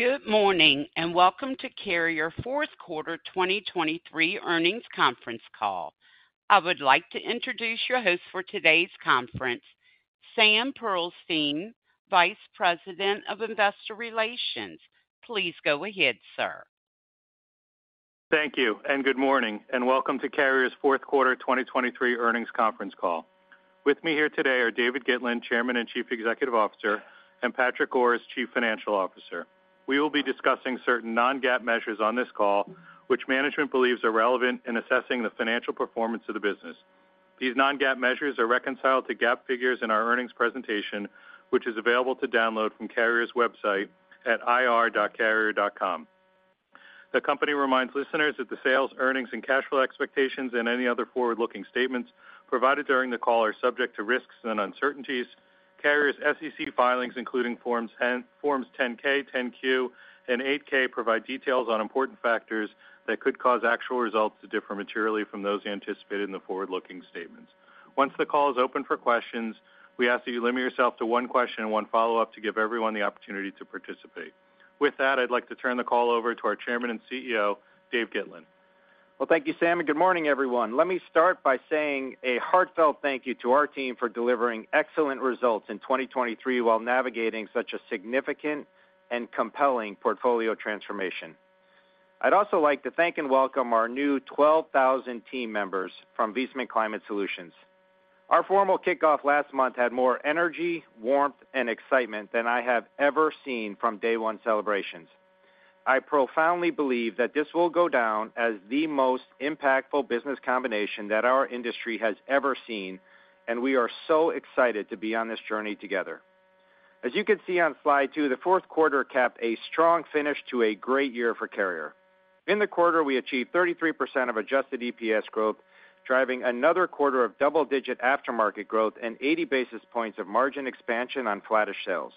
Good morning, and welcome to Carrier Fourth Quarter 2023 Earnings Conference Call. I would like to introduce your host for today's conference, Sam Pearlstein, Vice President of Investor Relations. Please go ahead, sir. Thank you, and good morning, and welcome to Carrier's Fourth Quarter 2023 Earnings Conference Call. With me here today are David Gitlin, Chairman and Chief Executive Officer, and Patrick Goris, Chief Financial Officer. We will be discussing certain non-GAAP measures on this call, which management believes are relevant in assessing the financial performance of the business. These non-GAAP measures are reconciled to GAAP figures in our earnings presentation, which is available to download from Carrier's website at ir.carrier.com. The company reminds listeners that the sales, earnings, and cash flow expectations and any other forward-looking statements provided during the call are subject to risks and uncertainties. Carrier's SEC filings, including Forms 10-K, 10-Q, and 8-K, provide details on important factors that could cause actual results to differ materially from those anticipated in the forward-looking statements. Once the call is open for questions, we ask that you limit yourself to one question and one follow-up to give everyone the opportunity to participate. With that, I'd like to turn the call over to our Chairman and CEO, Dave Gitlin. Well, thank you, Sam, and good morning, everyone. Let me start by saying a heartfelt thank you to our team for delivering excellent results in 2023 while navigating such a significant and compelling portfolio transformation. I'd also like to thank and welcome our new 12,000 team members from Viessmann Climate Solutions. Our formal kickoff last month had more energy, warmth, and excitement than I have ever seen from day one celebrations. I profoundly believe that this will go down as the most impactful business combination that our industry has ever seen, and we are so excited to be on this journey together. As you can see on slide 2, the fourth quarter capped a strong finish to a great year for Carrier. In the quarter, we achieved 33% adjusted EPS growth, driving another quarter of double-digit aftermarket growth and 80 basis points of margin expansion on flattish sales.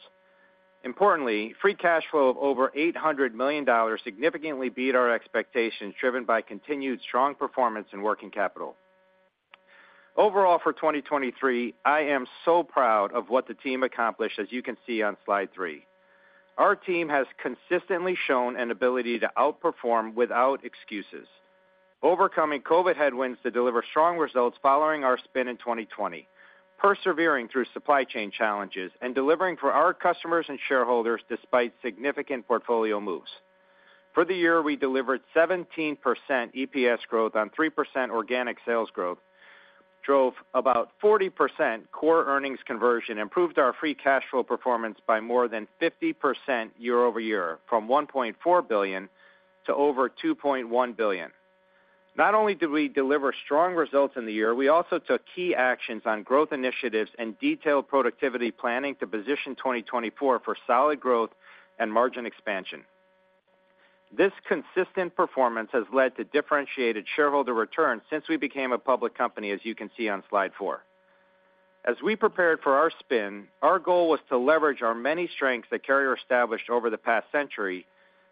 Importantly, free cash flow of over $800 million significantly beat our expectations, driven by continued strong performance in working capital. Overall, for 2023, I am so proud of what the team accomplished, as you can see on slide 3. Our team has consistently shown an ability to outperform without excuses, overcoming COVID headwinds to deliver strong results following our spin in 2020, persevering through supply chain challenges and delivering for our customers and shareholders despite significant portfolio moves. For the year, we delivered 17% EPS growth on 3% organic sales growth, drove about 40% core earnings conversion, improved our free cash flow performance by more than 50% year over year, from $1.4 billion to over $2.1 billion. Not only did we deliver strong results in the year, we also took key actions on growth initiatives and detailed productivity planning to position 2024 for solid growth and margin expansion. This consistent performance has led to differentiated shareholder returns since we became a public company, as you can see on slide 4. As we prepared for our spin, our goal was to leverage our many strengths that Carrier established over the past century,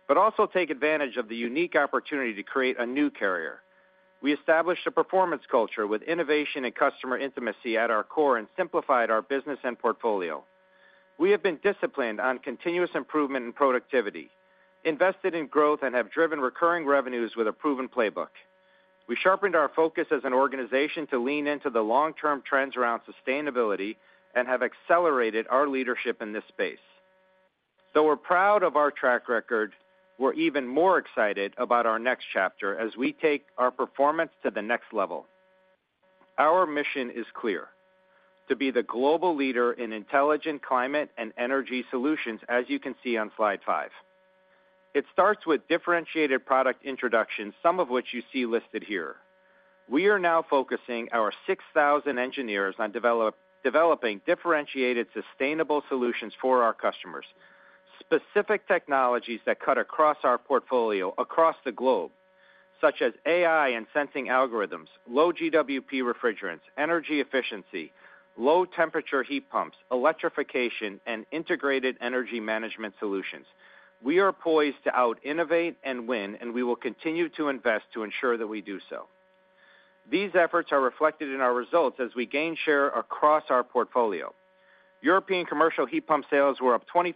but also take advantage of the unique opportunity to create a new Carrier. We established a performance culture with innovation and customer intimacy at our core and simplified our business and portfolio. We have been disciplined on continuous improvement in productivity, invested in growth, and have driven recurring revenues with a proven playbook. We sharpened our focus as an organization to lean into the long-term trends around sustainability and have accelerated our leadership in this space. Though we're proud of our track record, we're even more excited about our next chapter as we take our performance to the next level. Our mission is clear: to be the global leader in intelligent climate and energy solutions, as you can see on slide 5. It starts with differentiated product introductions, some of which you see listed here. We are now focusing our 6,000 engineers on developing differentiated, sustainable solutions for our customers. Specific technologies that cut across our portfolio across the globe, such as AI and sensing algorithms, low-GWP refrigerants, energy efficiency, low-temperature heat pumps, electrification, and integrated energy management solutions. We are poised to out-innovate and win, and we will continue to invest to ensure that we do so. These efforts are reflected in our results as we gain share across our portfolio. European commercial heat pump sales were up 25%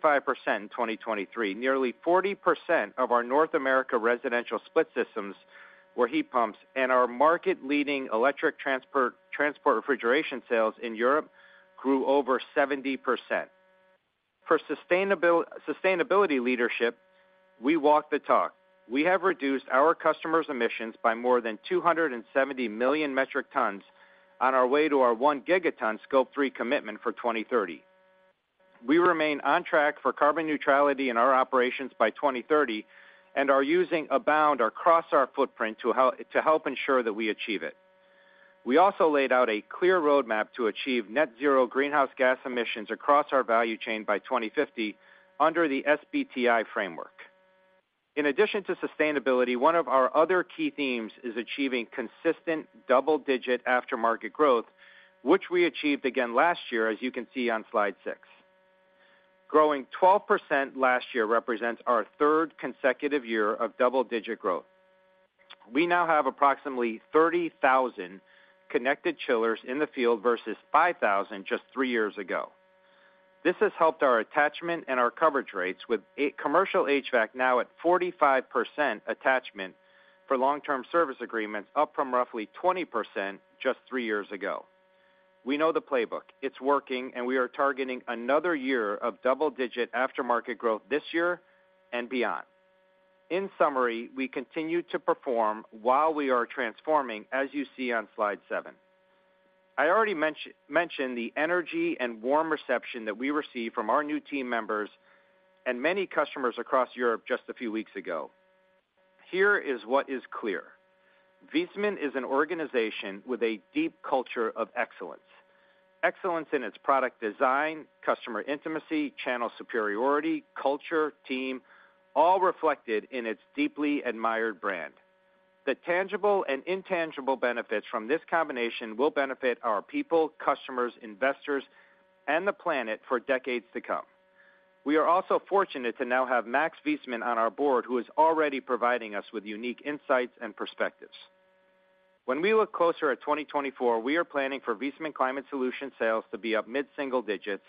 in 2023. Nearly 40% of our North America residential split systems were heat pumps, and our market-leading electric transport, transport refrigeration sales in Europe grew over 70%. For sustainability leadership, we walk the talk. We have reduced our customers' emissions by more than 270 million metric tons on our way to our 1 Gt Scope 3 commitment for 2030. We remain on track for carbon neutrality in our operations by 2030 and are using Abound across our footprint to help ensure that we achieve it. We also laid out a clear roadmap to achieve net zero greenhouse gas emissions across our value chain by 2050 under the SBTi framework. In addition to sustainability, one of our other key themes is achieving consistent double-digit aftermarket growth, which we achieved again last year, as you can see on slide 6. Growing 12% last year represents our third consecutive year of double-digit growth. We now have approximately 30,000 connected chillers in the field versus 5,000 just three years ago. This has helped our attachment and our coverage rates, with commercial HVAC now at 45% attachment for long-term service agreements, up from roughly 20% just three years ago. We know the playbook, it's working, and we are targeting another year of double-digit aftermarket growth this year and beyond. In summary, we continue to perform while we are transforming, as you see on slide 7. I already mentioned the energy and warm reception that we received from our new team members and many customers across Europe just a few weeks ago. Here is what is clear: Viessmann is an organization with a deep culture of excellence. Excellence in its product design, customer intimacy, channel superiority, culture, team, all reflected in its deeply admired brand. The tangible and intangible benefits from this combination will benefit our people, customers, investors, and the planet for decades to come. We are also fortunate to now have Max Viessmann on our board, who is already providing us with unique insights and perspectives. When we look closer at 2024, we are planning for Viessmann Climate Solutions sales to be up mid-single digits,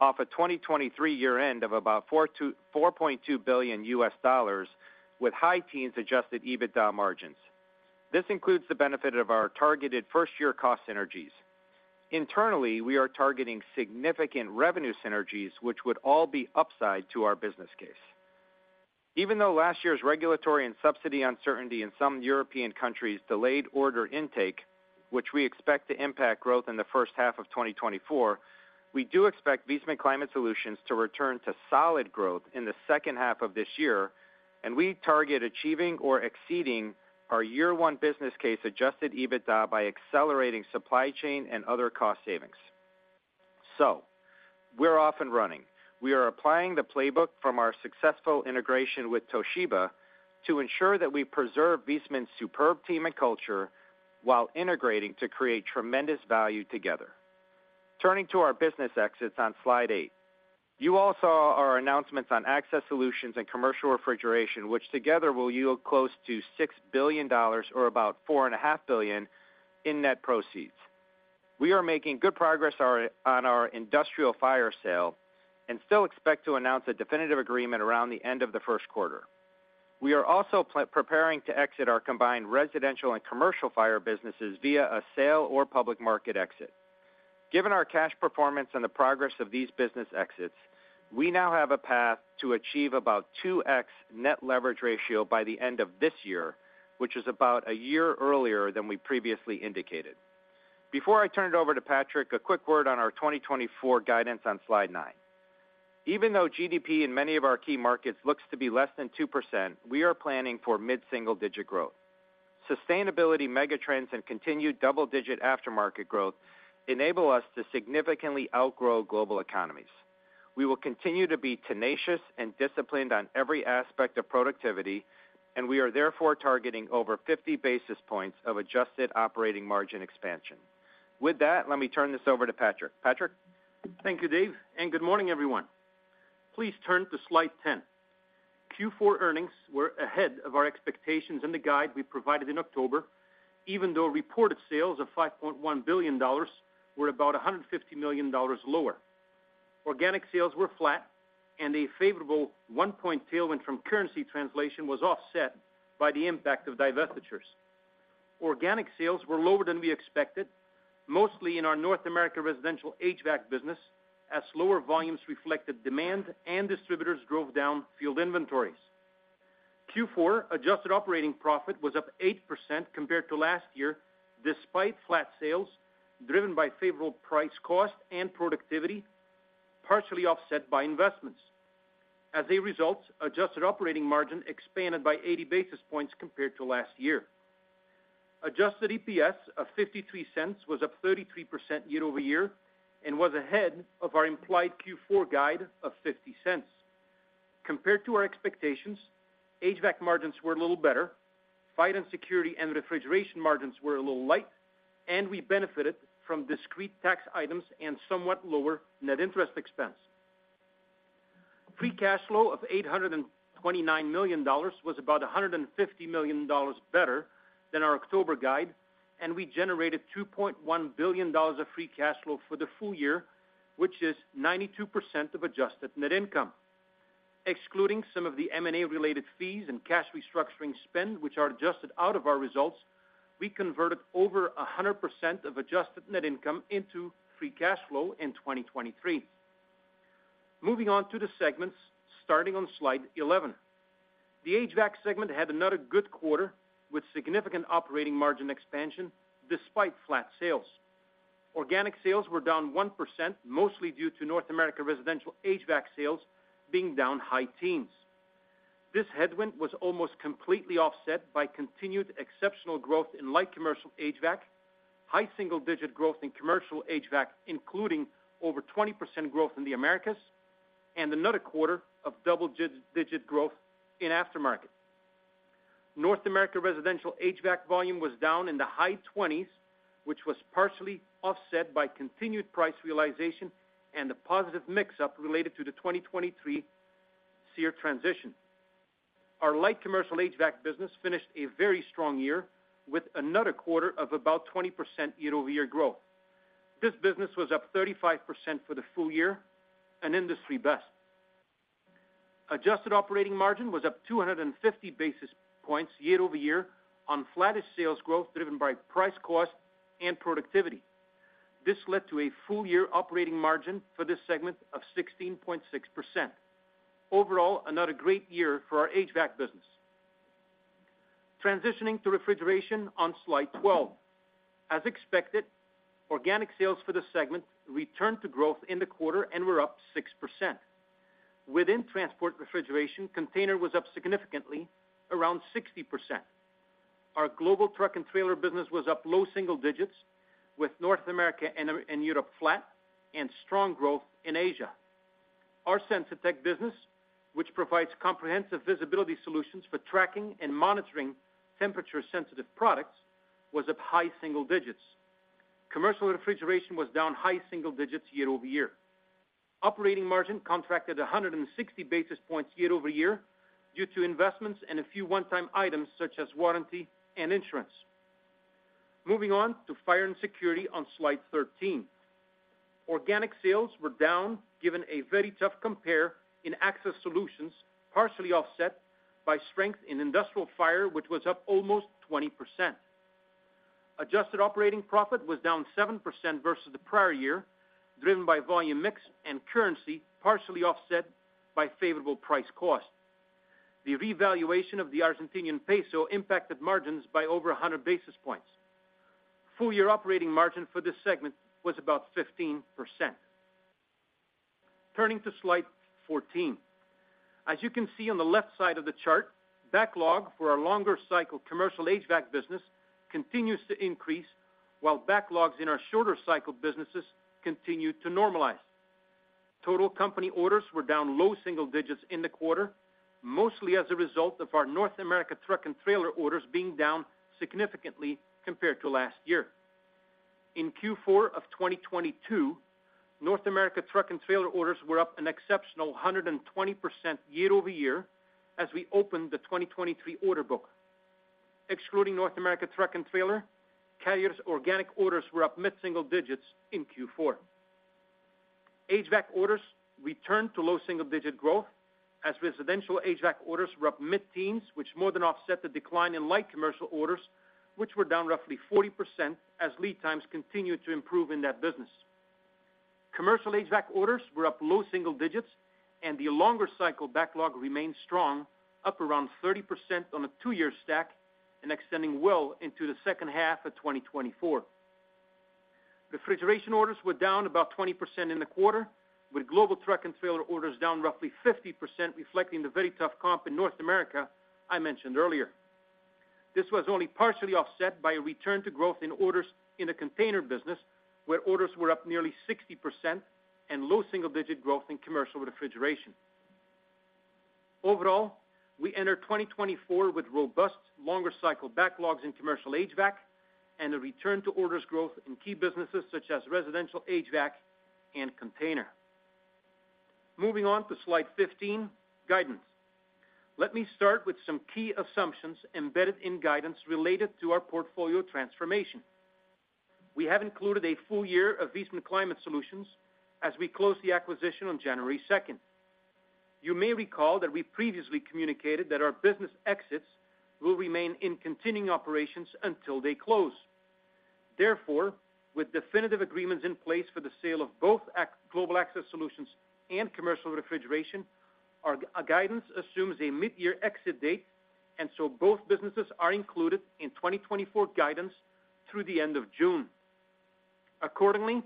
off a 2023 year end of about $4.2 billion, with high teens adjusted EBITDA margins. This includes the benefit of our targeted first-year cost synergies. Internally, we are targeting significant revenue synergies, which would all be upside to our business case. Even though last year's regulatory and subsidy uncertainty in some European countries delayed order intake, which we expect to impact growth in the first half of 2024, we do expect Viessmann Climate Solutions to return to solid growth in the second half of this year, and we target achieving or exceeding our year one business case adjusted EBITDA by accelerating supply chain and other cost savings. So we're off and running. We are applying the playbook from our successful integration with Toshiba to ensure that we preserve Viessmann's superb team and culture while integrating to create tremendous value together. Turning to our business exits on slide 8. You all saw our announcements on Access Solutions and Commercial Refrigeration, which together will yield close to $6 billion or about $4.5 billion in net proceeds. We are making good progress on our Industrial Fire sale and still expect to announce a definitive agreement around the end of the first quarter. We are also preparing to exit our combined Residential and Commercial Fire businesses via a sale or public market exit. Given our cash performance and the progress of these business exits, we now have a path to achieve about 2x net leverage ratio by the end of this year, which is about a year earlier than we previously indicated. Before I turn it over to Patrick, a quick word on our 2024 guidance on slide 9. Even though GDP in many of our key markets looks to be less than 2%, we are planning for mid-single-digit growth. Sustainability megatrends and continued double-digit aftermarket growth enable us to significantly outgrow global economies. We will continue to be tenacious and disciplined on every aspect of productivity, and we are therefore targeting over 50 basis points of adjusted operating margin expansion. With that, let me turn this over to Patrick. Patrick? Thank you, Dave, and good morning, everyone. Please turn to slide 10. Q4 earnings were ahead of our expectations in the guide we provided in October, even though reported sales of $5.1 billion were about $150 million lower. Organic sales were flat, and a favorable 1-point tailwind from currency translation was offset by the impact of divestitures. Organic sales were lower than we expected, mostly in our North America residential HVAC business, as lower volumes reflected demand and distributors drove down field inventories. Q4 adjusted operating profit was up 8% compared to last year, despite flat sales driven by favorable price, cost, and productivity, partially offset by investments. As a result, adjusted operating margin expanded by 80 basis points compared to last year. Adjusted EPS of $0.53 was up 33% year-over-year and was ahead of our implied Q4 guide of $0.50. Compared to our expectations, HVAC margins were a little better, fire and security and refrigeration margins were a little light, and we benefited from discrete tax items and somewhat lower net interest expense. Free cash flow of $829 million was about $150 million better than our October guide, and we generated $2.1 billion of free cash flow for the full year, which is 92% of adjusted net income. Excluding some of the M&A-related fees and cash restructuring spend, which are adjusted out of our results, we converted over 100% of adjusted net income into free cash flow in 2023. Moving on to the segments, starting on slide 11. The HVAC segment had another good quarter, with significant operating margin expansion despite flat sales. Organic sales were down 1%, mostly due to North America residential HVAC sales being down high teens. This headwind was almost completely offset by continued exceptional growth in light commercial HVAC, high single-digit growth in commercial HVAC, including over 20% growth in the Americas, and another quarter of double-digit growth in aftermarket. North America residential HVAC volume was down in the high twenties, which was partially offset by continued price realization and a positive mix up related to the 2023... SEER transition. Our light commercial HVAC business finished a very strong year with another quarter of about 20% year-over-year growth. This business was up 35% for the full year, an industry best. Adjusted operating margin was up 250 basis points year-over-year on flattis sales growth, driven by price cost and productivity. This led to a full year operating margin for this segment of 16.6%. Overall, another great year for our HVAC business. Transitioning to refrigeration on slide 12. As expected, organic sales for the segment returned to growth in the quarter and were up 6%. Within transport refrigeration, container was up significantly, around 60%. Our global truck and trailer business was up low single digits, with North America and Europe flat, and strong growth in Asia. Our Sensitech business, which provides comprehensive visibility solutions for tracking and monitoring temperature-sensitive products, was up high single digits. Commercial refrigeration was down high single digits year-over-year. Operating margin contracted 160 basis points year-over-year due to investments and a few one-time items such as warranty and insurance. Moving on to Fire and Security on slide 13. Organic sales were down, given a very tough compare in access solutions, partially offset by strength in Industrial Fire, which was up almost 20%. Adjusted operating profit was down 7% versus the prior year, driven by volume mix and currency, partially offset by favorable price-cost. The revaluation of the Argentine peso impacted margins by over 100 basis points. Full-year operating margin for this segment was about 15%. Turning to slide 14. As you can see on the left side of the chart, backlog for our longer-cycle commercial HVAC business continues to increase, while backlogs in our shorter-cycle businesses continue to normalize. Total company orders were down low single digits in the quarter, mostly as a result of our North America truck and trailer orders being down significantly compared to last year. In Q4 of 2022, North America truck and trailer orders were up an exceptional 120% year-over-year as we opened the 2023 order book. Excluding North America truck and trailer, Carrier's organic orders were up mid-single digits in Q4. HVAC orders returned to low single-digit growth as residential HVAC orders were up mid-teens, which more than offset the decline in light commercial orders, which were down roughly 40% as lead times continued to improve in that business. Commercial HVAC orders were up low single digits, and the longer cycle backlog remained strong, up around 30% on a two-year stack and extending well into the second half of 2024. Refrigeration orders were down about 20% in the quarter, with global truck and trailer orders down roughly 50%, reflecting the very tough comp in North America I mentioned earlier. This was only partially offset by a return to growth in orders in the container business, where orders were up nearly 60% and low single-digit growth in Commercial Refrigeration. Overall, we enter 2024 with robust, longer cycle backlogs in commercial HVAC and a return to orders growth in key businesses such as residential HVAC and container. Moving on to slide 15, guidance. Let me start with some key assumptions embedded in guidance related to our portfolio transformation. We have included a full year of Viessmann Climate Solutions as we close the acquisition on January second. You may recall that we previously communicated that our business exits will remain in continuing operations until they close. Therefore, with definitive agreements in place for the sale of both Global Access Solutions and Commercial Refrigeration, our guidance assumes a mid-year exit date, and so both businesses are included in 2024 guidance through the end of June. Accordingly,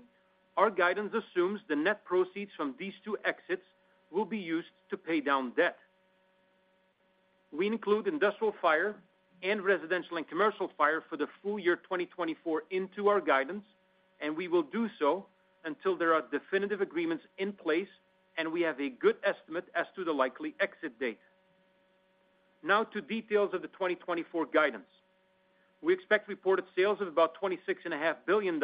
our guidance assumes the net proceeds from these two exits will be used to pay down debt. We include Industrial Fire and Residential and Commercial Fire for the full year 2024 into our guidance, and we will do so until there are definitive agreements in place, and we have a good estimate as to the likely exit date. Now to details of the 2024 guidance. We expect reported sales of about $26.5 billion,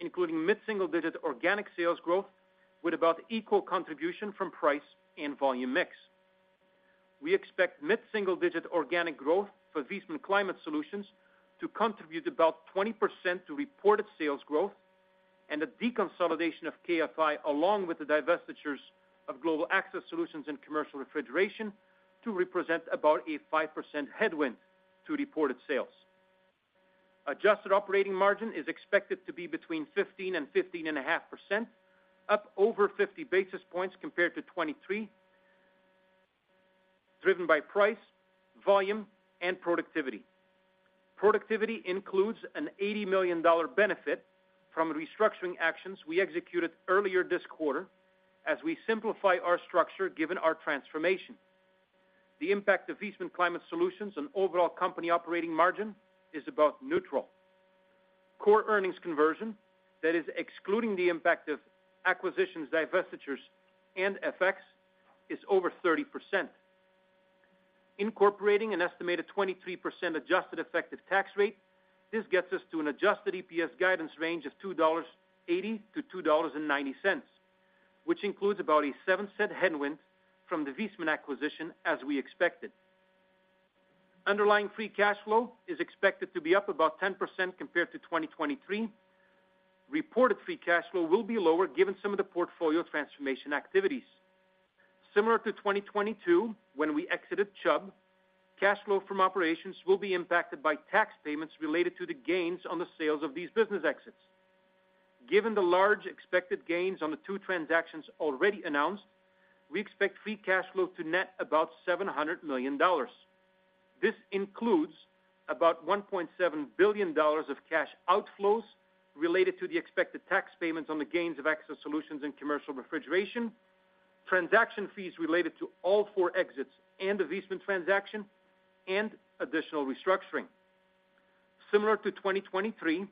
including mid-single-digit organic sales growth, with about equal contribution from price and volume mix. We expect mid-single-digit organic growth for Viessmann Climate Solutions to contribute about 20% to reported sales growth and a deconsolidation of KFI, along with the divestitures of Global Access Solutions and Commercial Refrigeration, to represent about a 5% headwind to reported sales. Adjusted operating margin is expected to be between 15% and 15.5%, up over 50 basis points compared to 2023, driven by price, volume, and productivity. Productivity includes an $80 million benefit from restructuring actions we executed earlier this quarter as we simplify our structure given our transformation. The impact of Viessmann Climate Solutions on overall company operating margin is about neutral. Core earnings conversion, that is excluding the impact of acquisitions, divestitures, and FX, is over 30%.... Incorporating an estimated 23% adjusted effective tax rate, this gets us to an adjusted EPS guidance range of $2.80-$2.90, which includes about a 7-cent headwind from the Viessmann acquisition, as we expected. Underlying free cash flow is expected to be up about 10% compared to 2023. Reported free cash flow will be lower, given some of the portfolio transformation activities. Similar to 2022, when we exited Chubb, cash flow from operations will be impacted by tax payments related to the gains on the sales of these business exits. Given the large expected gains on the two transactions already announced, we expect free cash flow to net about $700 million. This includes about $1.7 billion of cash outflows related to the expected tax payments on the gains of Access Solutions and Commercial Refrigeration, transaction fees related to all four exits and the Viessmann transaction, and additional restructuring. Similar to 2023,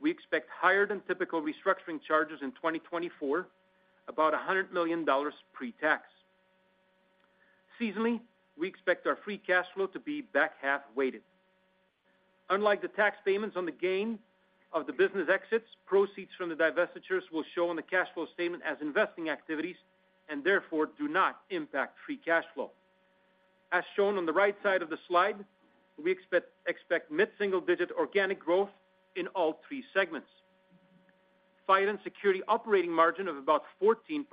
we expect higher than typical restructuring charges in 2024, about $100 million pre-tax. Seasonally, we expect our free cash flow to be back-half weighted. Unlike the tax payments on the gain of the business exits, proceeds from the divestitures will show on the cash flow statement as investing activities and therefore do not impact free cash flow. As shown on the right side of the slide, we expect mid-single-digit organic growth in all three segments. Fire and Security operating margin of about 14%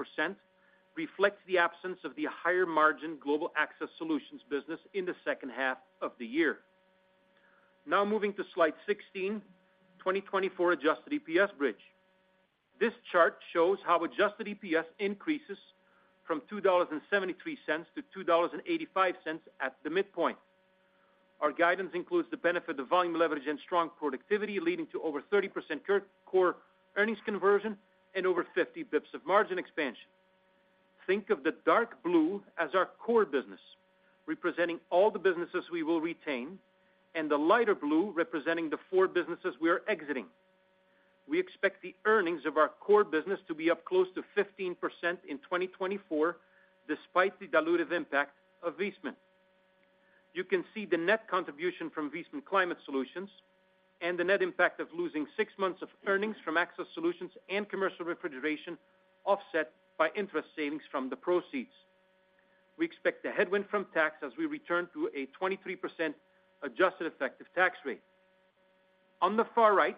reflects the absence of the higher margin Global Access Solutions business in the second half of the year. Now moving to slide 16, 2024 adjusted EPS bridge. This chart shows how adjusted EPS increases from $2.73 to $2.85 at the midpoint. Our guidance includes the benefit of volume leverage and strong productivity, leading to over 30% core earnings conversion and over 50 basis points of margin expansion. Think of the dark blue as our core business, representing all the businesses we will retain, and the lighter blue representing the four businesses we are exiting. We expect the earnings of our core business to be up close to 15% in 2024, despite the dilutive impact of Viessmann. You can see the net contribution from Viessmann Climate Solutions and the net impact of losing six months of earnings from Access Solutions and Commercial Refrigeration, offset by interest savings from the proceeds. We expect a headwind from tax as we return to a 23% adjusted effective tax rate. On the far right,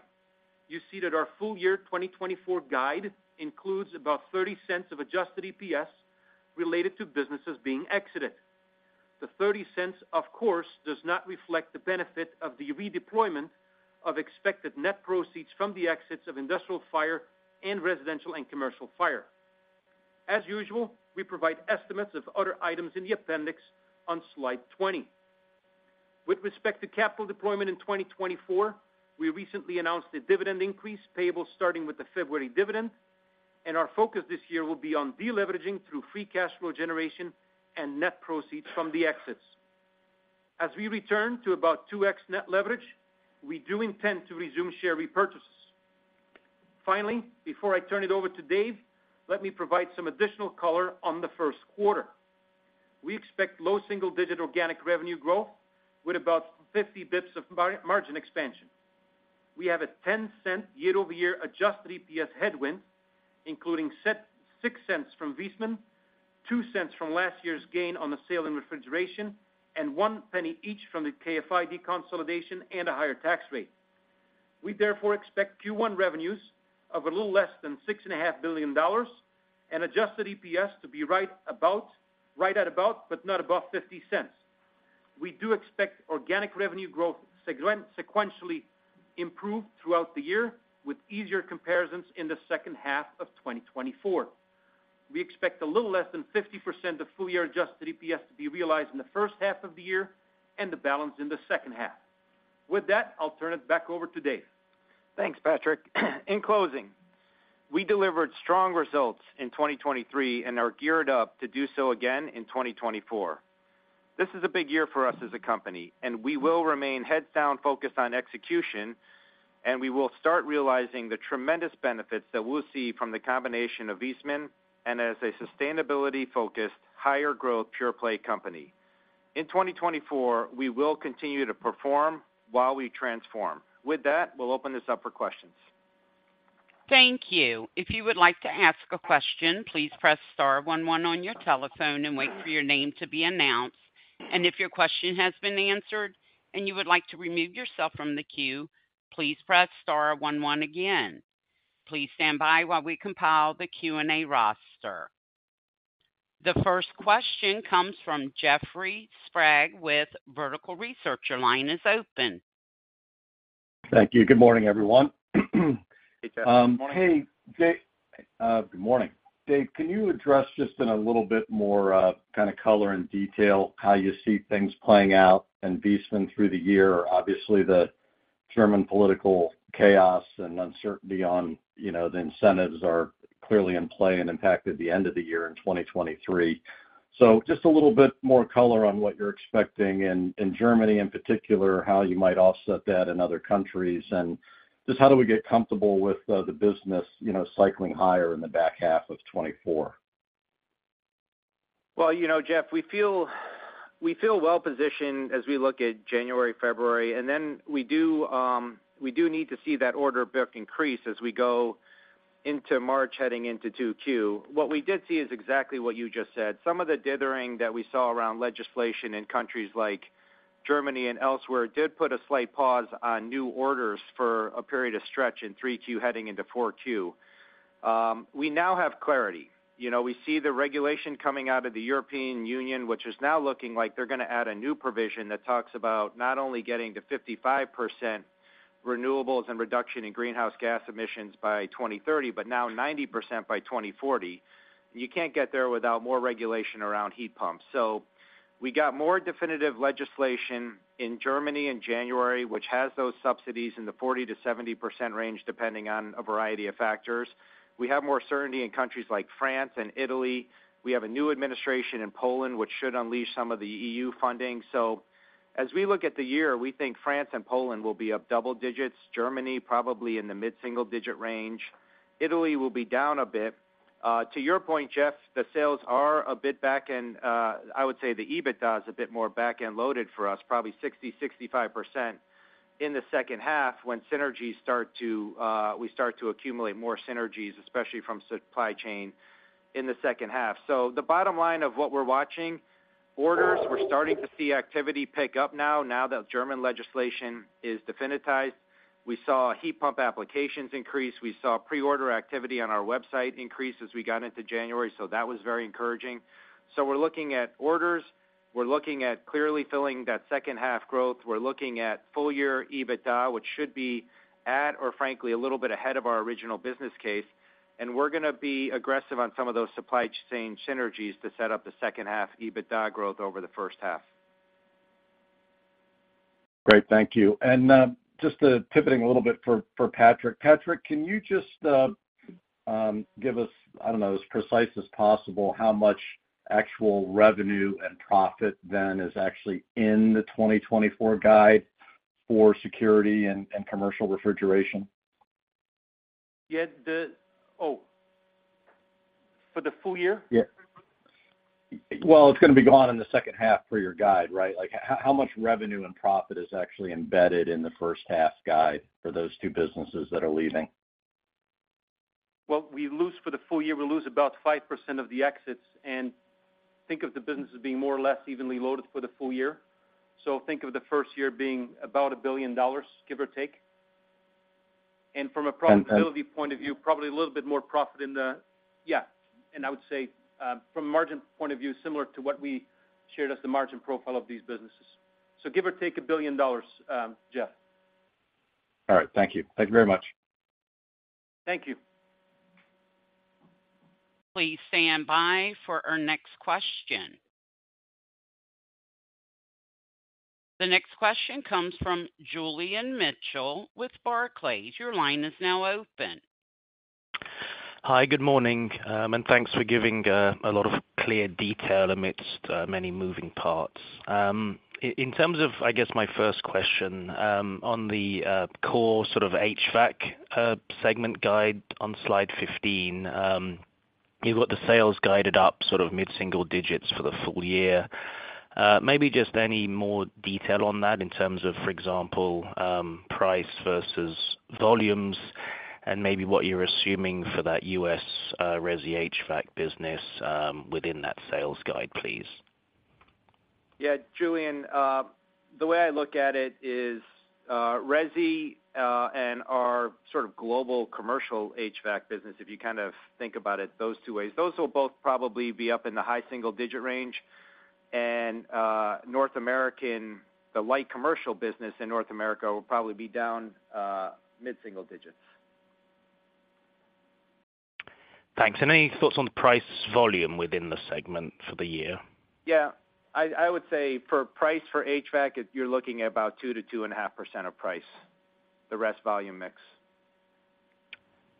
you see that our full year 2024 guide includes about $0.30 of adjusted EPS related to businesses being exited. The $0.30, of course, does not reflect the benefit of the redeployment of expected net proceeds from the exits of Industrial Fire and Residential and Commercial Fire. As usual, we provide estimates of other items in the appendix on slide 20. With respect to capital deployment in 2024, we recently announced a dividend increase payable starting with the February dividend, and our focus this year will be on deleveraging through free cash flow generation and net proceeds from the exits. As we return to about 2x net leverage, we do intend to resume share repurchases. Finally, before I turn it over to Dave, let me provide some additional color on the first quarter. We expect low single-digit organic revenue growth with about 50 basis points of margin expansion. We have a $0.10 year-over-year adjusted EPS headwind, including six cents from Viessmann, two cents from last year's gain on the sale in Refrigeration, and one penny each from the KFI deconsolidation and a higher tax rate. We therefore expect Q1 revenues of a little less than $6.5 billion and adjusted EPS to be right about, right at about, but not above $0.50. We do expect organic revenue growth segmentally sequentially improved throughout the year, with easier comparisons in the second half of 2024. We expect a little less than 50% of full-year adjusted EPS to be realized in the first half of the year and the balance in the second half. With that, I'll turn it back over to Dave. Thanks, Patrick. In closing, we delivered strong results in 2023 and are geared up to do so again in 2024. This is a big year for us as a company, and we will remain heads down, focused on execution, and we will start realizing the tremendous benefits that we'll see from the combination of Viessmann and as a sustainability-focused, higher growth pure-play company. In 2024, we will continue to perform while we transform. With that, we'll open this up for questions. Thank you. If you would like to ask a question, please press star one one on your telephone and wait for your name to be announced. If your question has been answered and you would like to remove yourself from the queue, please press star one one again. Please stand by while we compile the Q&A roster. The first question comes from Jeffrey Sprague with Vertical Research. Your line is open. Thank you. Good morning, everyone. Hey, Jeff. Good morning. Hey, good morning. Dave, can you address just in a little bit more, kind of color and detail, how you see things playing out in Viessmann through the year? Obviously, the German political chaos and uncertainty on, you know, the incentives are clearly in play and impacted the end of the year in 2023. So just a little bit more color on what you're expecting in, in Germany, in particular, how you might offset that in other countries, and just how do we get comfortable with, the business, you know, cycling higher in the back half of 2024? Well, you know, Jeff, we feel, we feel well positioned as we look at January, February, and then we do, we do need to see that order book increase as we go into March, heading into Q2. What we did see is exactly what you just said. Some of the dithering that we saw around legislation in countries like Germany and elsewhere did put a slight pause on new orders for a period of stretch in Q3, heading into Q4. We now have clarity. You know, we see the regulation coming out of the European Union, which is now looking like they're gonna add a new provision that talks about not only getting to 55% renewables and reduction in greenhouse gas emissions by 2030, but now 90% by 2040. You can't get there without more regulation around heat pumps. So we got more definitive legislation in Germany in January, which has those subsidies in the 40%-70% range, depending on a variety of factors. We have more certainty in countries like France and Italy. We have a new administration in Poland, which should unleash some of the EU funding. So as we look at the year, we think France and Poland will be up double digits, Germany, probably in the mid-single digit range. Italy will be down a bit. To your point, Jeff, the sales are a bit back-end. I would say the EBITDA is a bit more back-end loaded for us, probably 60%-65% in the second half when synergies start to, we start to accumulate more synergies, especially from supply chain in the second half. So the bottom line of what we're watching, orders, we're starting to see activity pick up now, now that German legislation is definitized. We saw heat pump applications increase. We saw pre-order activity on our website increase as we got into January, so that was very encouraging. So we're looking at orders. We're looking at clearly filling that second half growth. We're looking at full year EBITDA, which should be at, or frankly, a little bit ahead of our original business case. And we're gonna be aggressive on some of those supply chain synergies to set up the second half EBITDA growth over the first half. Great. Thank you. And just to pivoting a little bit for Patrick. Patrick, can you just give us, I don't know, as precise as possible, how much actual revenue and profit then is actually in the 2024 guide for security and Commercial Refrigeration? Yeah, oh, for the full year? Yeah. Well, it's gonna be gone in the second half for your guide, right? Like, how, how much revenue and profit is actually embedded in the first half guide for those two businesses that are leaving? Well, we lose for the full year, we lose about 5% of the exits, and think of the business as being more or less evenly loaded for the full year. So think of the first year being about $1 billion, give or take. And from a profitability point of view, probably a little bit more profit in the-- Yeah, and I would say, from a margin point of view, similar to what we shared as the margin profile of these businesses. So give or take $1 billion, Jeff. All right. Thank you. Thank you very much. Thank you. Please stand by for our next question. The next question comes from Julian Mitchell with Barclays. Your line is now open. Hi, good morning, and thanks for giving a lot of clear detail amidst many moving parts. In terms of, I guess, my first question, on the core sort of HVAC segment guide on slide 15, you've got the sales guided up sort of mid-single digits for the full year. Maybe just any more detail on that in terms of, for example, price versus volumes, and maybe what you're assuming for that U.S. resi HVAC business within that sales guide, please. Yeah, Julian, the way I look at it is, resi, and our sort of global commercial HVAC business, if you kind of think about it those two ways, those will both probably be up in the high single digit range. And, North American, the light commercial business in North America will probably be down, mid-single digits. Thanks. Any thoughts on the price volume within the segment for the year? Yeah, I would say for price for HVAC, you're looking at about 2%-2.5% of price, the rest, volume mix.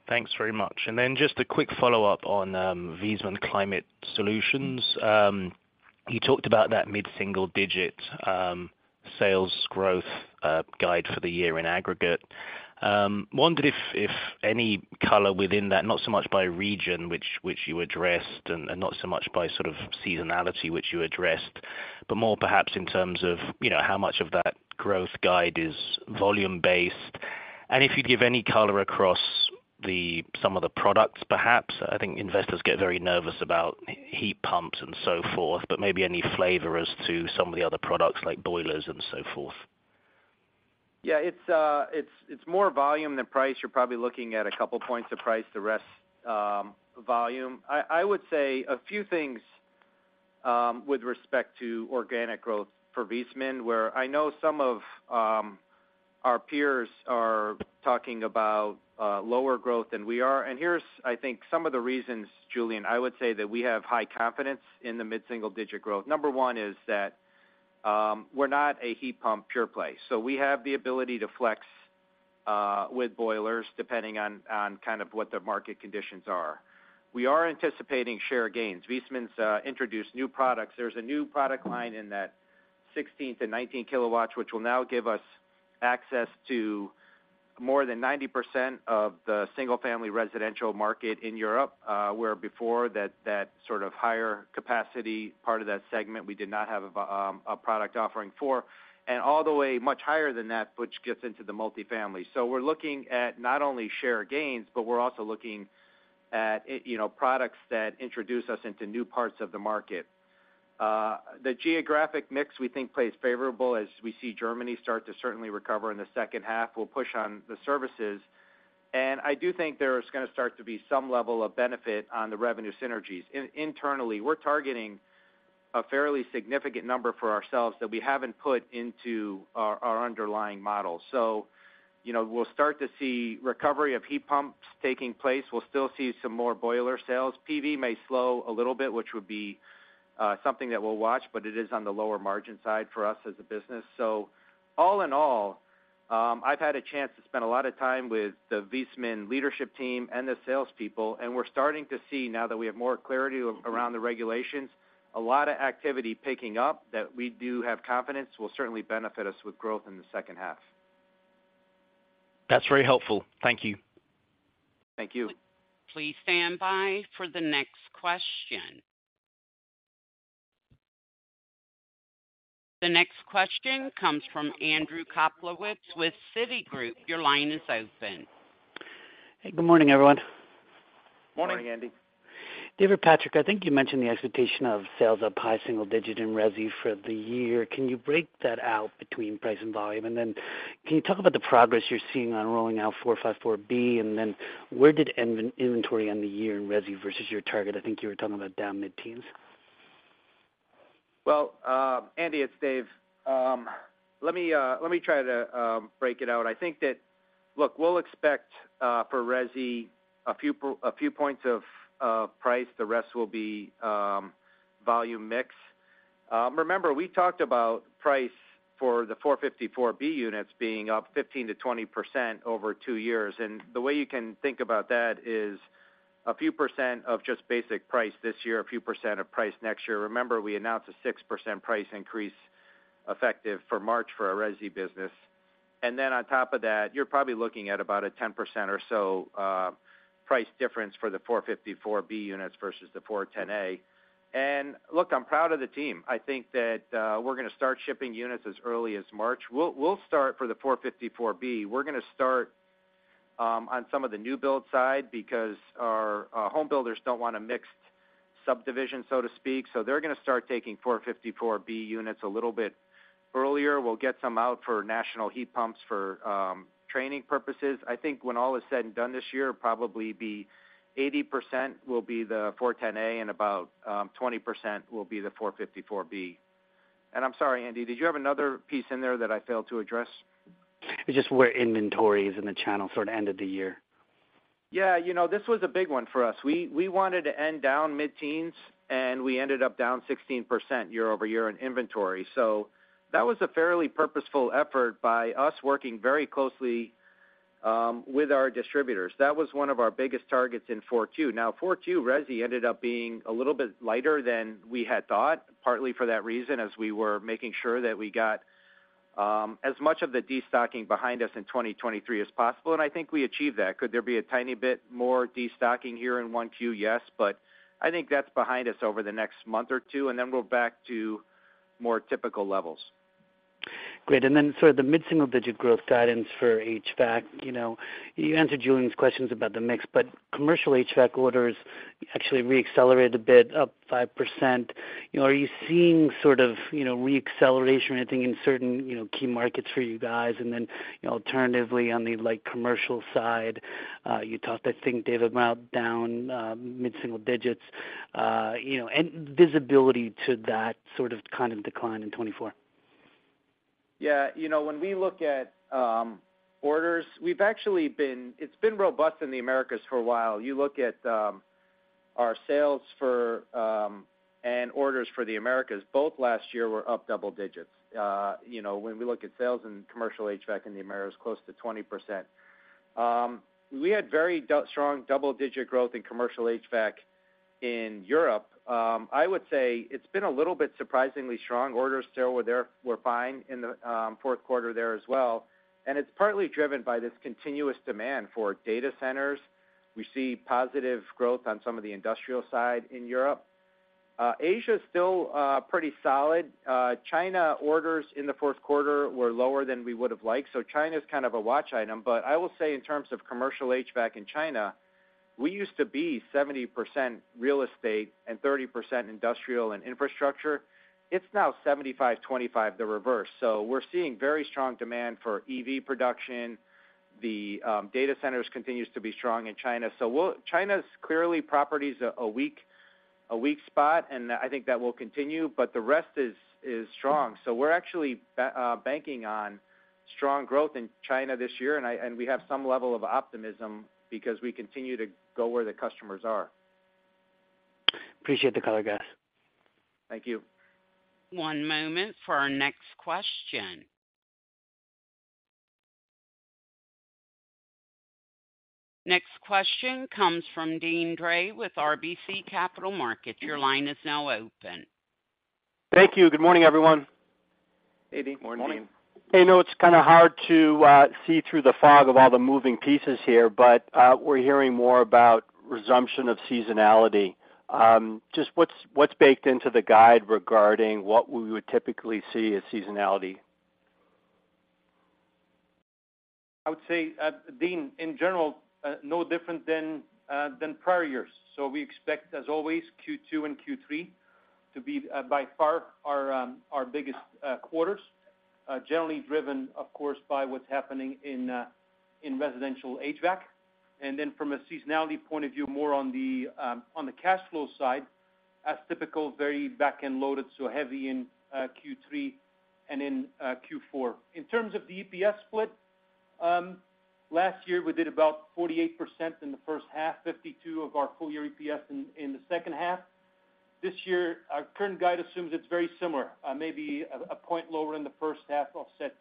Thanks very much. And then just a quick follow-up on Viessmann Climate Solutions. You talked about that mid-single digit sales growth guide for the year in aggregate. Wondered if any color within that, not so much by region, which you addressed, and not so much by sort of seasonality, which you addressed, but more perhaps in terms of, you know, how much of that growth guide is volume based? And if you'd give any color across the some of the products, perhaps. I think investors get very nervous about heat pumps and so forth, but maybe any flavor as to some of the other products like boilers and so forth. Yeah, it's more volume than price. You're probably looking at a couple points of price, the rest volume. I would say a few things with respect to organic growth for Viessmann, where I know some of our peers are talking about lower growth than we are. And here's, I think, some of the reasons, Julian. I would say that we have high confidence in the mid-single digit growth. Number one is that we're not a heat pump pure play, so we have the ability to flex with boilers, depending on kind of what the market conditions are. We are anticipating share gains. Viessmann's introduced new products. There's a new product line in that... 16-19 kW, which will now give us access to more than 90% of the single-family residential market in Europe, where before that, that sort of higher capacity part of that segment, we did not have a product offering for, and all the way, much higher than that, which gets into the multifamily. So we're looking at not only share gains, but we're also looking at, you know, products that introduce us into new parts of the market. The geographic mix, we think, plays favorable as we see Germany start to certainly recover in the second half, will push on the services. And I do think there's gonna start to be some level of benefit on the revenue synergies. Internally, we're targeting a fairly significant number for ourselves that we haven't put into our underlying model. So, you know, we'll start to see recovery of heat pumps taking place. We'll still see some more boiler sales. PV may slow a little bit, which would be something that we'll watch, but it is on the lower margin side for us as a business. So all in all, I've had a chance to spend a lot of time with the Viessmann leadership team and the salespeople, and we're starting to see, now that we have more clarity around the regulations, a lot of activity picking up, that we do have confidence will certainly benefit us with growth in the second half. That's very helpful. Thank you. Thank you. Please stand by for the next question. The next question comes from Andrew Kaplowitz with Citigroup. Your line is open. Hey, good morning, everyone. Morning. Morning, Andy. David, Patrick, I think you mentioned the expectation of sales up high single-digit in resi for the year. Can you break that out between price and volume? And then can you talk about the progress you're seeing on rolling out 454B? And then where did in-inventory end the year in resi versus your target? I think you were talking about down mid-teens. Well, Andy, it's Dave. Let me try to break it out. I think that, look, we'll expect for resi a few points of price. The rest will be volume mix. Remember, we talked about price for the 454B units being up 15%-20% over two years, and the way you can think about that is a few percent of just basic price this year, a few percent of price next year. Remember, we announced a 6% price increase effective for March for our resi business. And then on top of that, you're probably looking at about a 10% or so price difference for the 454B units versus the 410A. And look, I'm proud of the team. I think that, we're gonna start shipping units as early as March. We'll, we'll start for the 454B. We're gonna start on some of the new build side because our, our home builders don't want a mixed subdivision, so to speak, so they're gonna start taking 454B units a little bit earlier. We'll get some out for national heat pumps for training purposes. I think when all is said and done this year, it'll probably be 80% will be the 410A, and about 20% will be the 454B. And I'm sorry, Andy, did you have another piece in there that I failed to address? Just where inventory is in the channel sort of end of the year. Yeah, you know, this was a big one for us. We wanted to end down mid-teens, and we ended up down 16% year-over-year in inventory. So that was a fairly purposeful effort by us working very closely with our distributors. That was one of our biggest targets in 2022. Now, 2022 resi ended up being a little bit lighter than we had thought, partly for that reason, as we were making sure that we got as much of the destocking behind us in 2023 as possible, and I think we achieved that. Could there be a tiny bit more destocking here in Q1? Yes, but I think that's behind us over the next month or two, and then we're back to more typical levels. Great. And then sort of the mid-single-digit growth guidance for HVAC. You know, you answered Julian's questions about the mix, but commercial HVAC orders actually re-accelerated a bit, up 5%. You know, are you seeing sort of, you know, re-acceleration or anything in certain, you know, key markets for you guys? And then, alternatively, on the, like, commercial side, you talked, I think, David, about down mid-single digits, you know, and visibility to that sort of kind of decline in 2024. Yeah, you know, when we look at orders, it's been robust in the Americas for a while. You look at our sales and orders for the Americas, both last year were up double digits. You know, when we look at sales and commercial HVAC in the Americas, close to 20%. We had very strong double-digit growth in commercial HVAC in Europe. I would say it's been a little bit surprisingly strong. Orders there were fine in the fourth quarter there as well, and it's partly driven by this continuous demand for data centers. We see positive growth on some of the industrial side in Europe. Asia is still pretty solid. China orders in the fourth quarter were lower than we would have liked, so China's kind of a watch item. But I will say in terms of commercial HVAC in China, we used to be 70% real estate and 30% industrial and infrastructure. It's now 75%, 25%, the reverse. So we're seeing very strong demand for EV production. The data centers continues to be strong in China. So we'll—China's clearly, property's a weak spot, and I think that will continue, but the rest is strong. So we're actually banking on strong growth in China this year, and we have some level of optimism because we continue to go where the customers are. Appreciate the color, guys. Thank you. One moment for our next question. Next question comes from Deane Dray with RBC Capital Markets. Your line is now open. Thank you. Good morning, everyone. Hey, Deane. Good morning. I know it's kind of hard to see through the fog of all the moving pieces here, but we're hearing more about resumption of seasonality. Just what's baked into the guide regarding what we would typically see as seasonality? I would say, Deane, in general, no different than prior years. So we expect, as always, Q2 and Q3 to be, by far our biggest quarters. Generally driven, of course, by what's happening in residential HVAC. And then from a seasonality point of view, more on the cash flow side, as typical, very back-end loaded, so heavy in Q3 and in Q4. In terms of the EPS split, last year, we did about 48% in the first half, 52% of our full year EPS in the second half. This year, our current guide assumes it's very similar, maybe a point lower in the first half, offset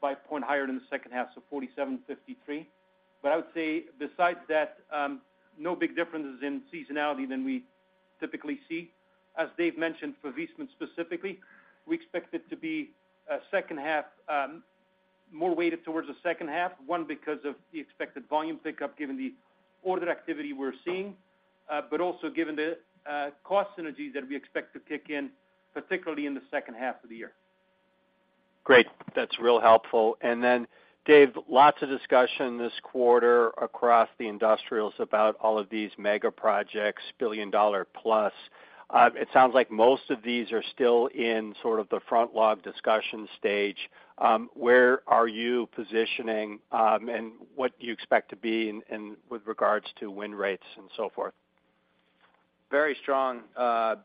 by a point higher in the second half, so 47, 53. I would say besides that, no big differences in seasonality than we typically see. As Dave mentioned, for Viessmann specifically, we expect it to be a second half, more weighted towards the second half. One, because of the expected volume pickup, given the order activity we're seeing, but also given the cost synergies that we expect to kick in, particularly in the second half of the year. Great. That's real helpful. And then, Dave, lots of discussion this quarter across the industrials about all of these mega projects, billion-dollar plus. It sounds like most of these are still in sort of the front log discussion stage. Where are you positioning, and what do you expect to be in with regards to win rates and so forth? Very strong,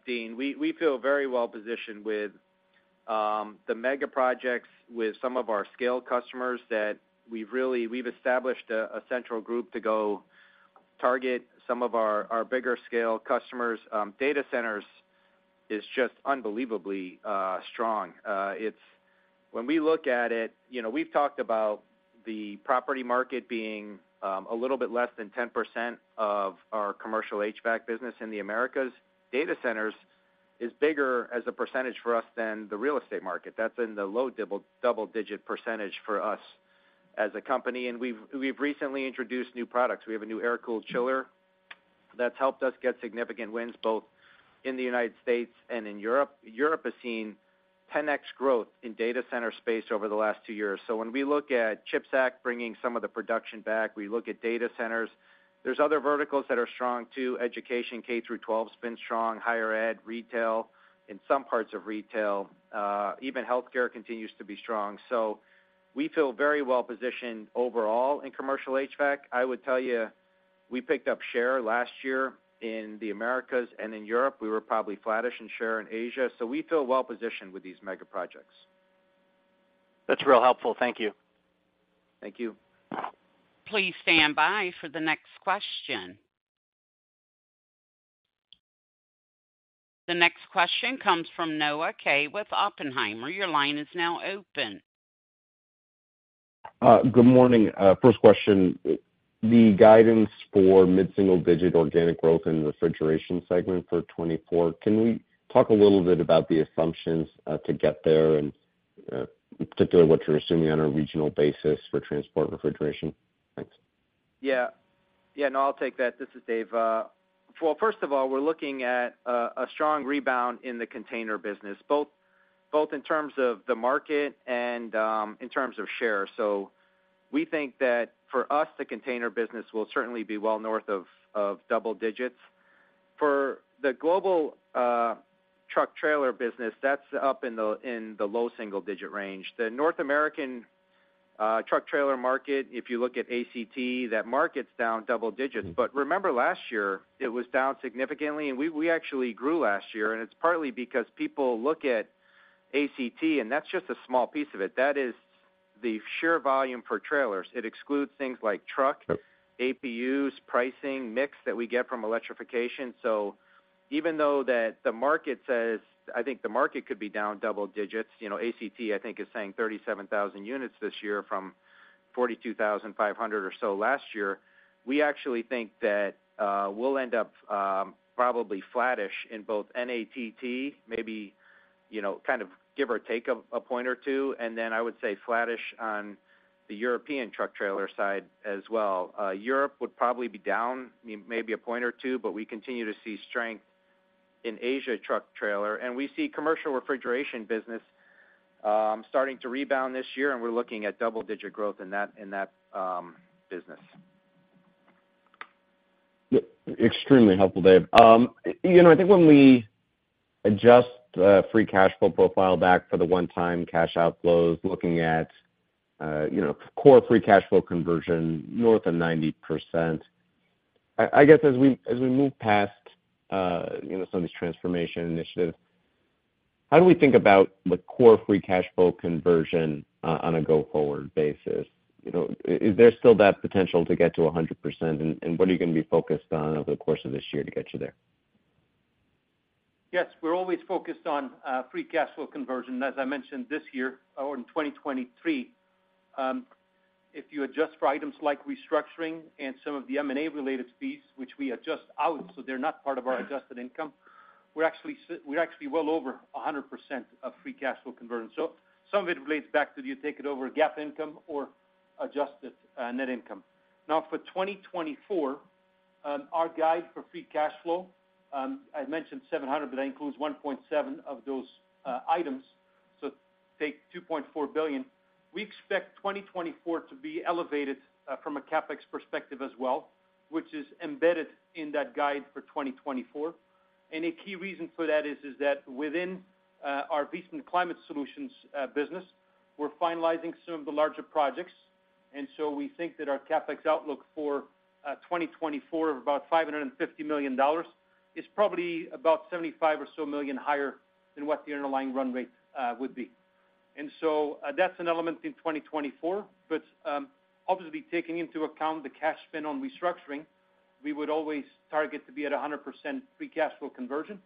Deane. We feel very well positioned with the mega projects with some of our scale customers that we've established a central group to go target some of our bigger scale customers. Data centers is just unbelievably strong. It's when we look at it, you know, we've talked about the property market being a little bit less than 10% of our commercial HVAC business in the Americas. Data centers is bigger as a percentage for us than the real estate market. That's in the low double-digit percentage for us as a company, and we've recently introduced new products. We have a new air-cooled chiller that's helped us get significant wins, both in the United States and in Europe. Europe has seen 10x growth in data center space over the last two years. So when we look at CHIPS Act, bringing some of the production back, we look at data centers. There's other verticals that are strong, too. Education, K through 12, has been strong, higher ed, retail, in some parts of retail, even healthcare continues to be strong. So we feel very well-positioned overall in commercial HVAC. I would tell you, we picked up share last year in the Americas and in Europe. We were probably flattish in share in Asia, so we feel well-positioned with these mega projects. That's real helpful. Thank you. Thank you. Please stand by for the next question. The next question comes from Noah Kaye with Oppenheimer. Your line is now open. Good morning. First question, the guidance for mid-single digit organic growth in the refrigeration segment for 2024. Can we talk a little bit about the assumptions to get there and, particularly what you're assuming on a regional basis for transport refrigeration? Thanks. Yeah. Yeah, no, I'll take that. This is Dave. Well, first of all, we're looking at a strong rebound in the container business, both, both in terms of the market and in terms of share. So we think that for us, the container business will certainly be well north of double digits. For the global truck trailer business, that's up in the low single-digit range. The North American truck trailer market, if you look at ACT, that market's down double digits. But remember last year, it was down significantly, and we actually grew last year, and it's partly because people look at ACT, and that's just a small piece of it. That is the sheer volume for trailers. It excludes things like truck APUs, pricing, mix that we get from electrification. So even though that the market says, I think the market could be down double digits, you know, ACT, I think, is saying 37,000 units this year from 42,500 or so last year. We actually think that we'll end up probably flattish in both NATT, maybe, you know, kind of give or take a point or two, and then I would say flattish on the European truck trailer side as well. Europe would probably be down maybe a point or two, but we continue to see strength in Asia truck trailer, and we see Commercial Refrigeration business starting to rebound this year, and we're looking at double-digit growth in that business. Yeah, extremely helpful, Dave. You know, I think when we adjust free cash flow profile back for the one-time cash outflows, looking at, you know, core free cash flow conversion north of 90%, I guess as we, as we move past, you know, some of these transformation initiatives, how do we think about the core free cash flow conversion on a go-forward basis? You know, is there still that potential to get to a 100%, and what are you going to be focused on over the course of this year to get you there? Yes, we're always focused on free cash flow conversion. As I mentioned this year, or in 2023, if you adjust for items like restructuring and some of the M&A related fees, which we adjust out, so they're not part of our adjusted income, we're actually well over 100% of free cash flow conversion. So some of it relates back to, do you take it over GAAP income or adjusted net income? Now, for 2024, our guide for free cash flow, I mentioned $700 million, but that includes $1.7 billion of those items, so take $2.4 billion. We expect 2024 to be elevated from a CapEx perspective as well, which is embedded in that guide for 2024. A key reason for that is that within our Viessmann Climate Solutions business, we're finalizing some of the larger projects, and so we think that our CapEx outlook for 2024 of about $550 million is probably about $75 million or so higher than what the underlying run rate would be. And so, that's an element in 2024. But, obviously, taking into account the cash spend on restructuring, we would always target to be at 100% free cash flow conversion.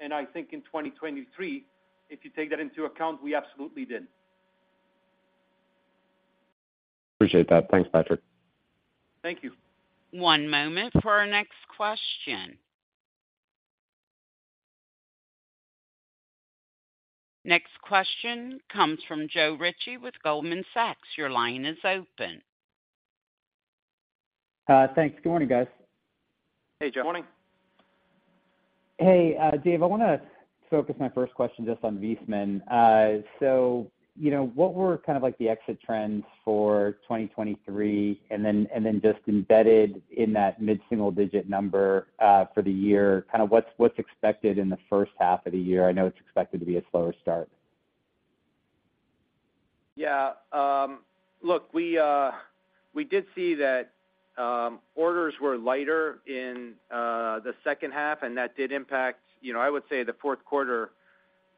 And I think in 2023, if you take that into account, we absolutely did. Appreciate that. Thanks, Patrick. Thank you. One moment for our next question. Next question comes from Joe Ritchie with Goldman Sachs. Your line is open. Thanks. Good morning, guys. Hey, Joe. Morning. Hey, Dave, I wanna focus my first question just on Viessmann. So you know, what were kind of like the exit trends for 2023? And then, and then just embedded in that mid-single-digit number for the year, kind of what's, what's expected in the first half of the year? I know it's expected to be a slower start. Yeah, look, we, we did see that, orders were lighter in the second half, and that did impact. You know, I would say the fourth quarter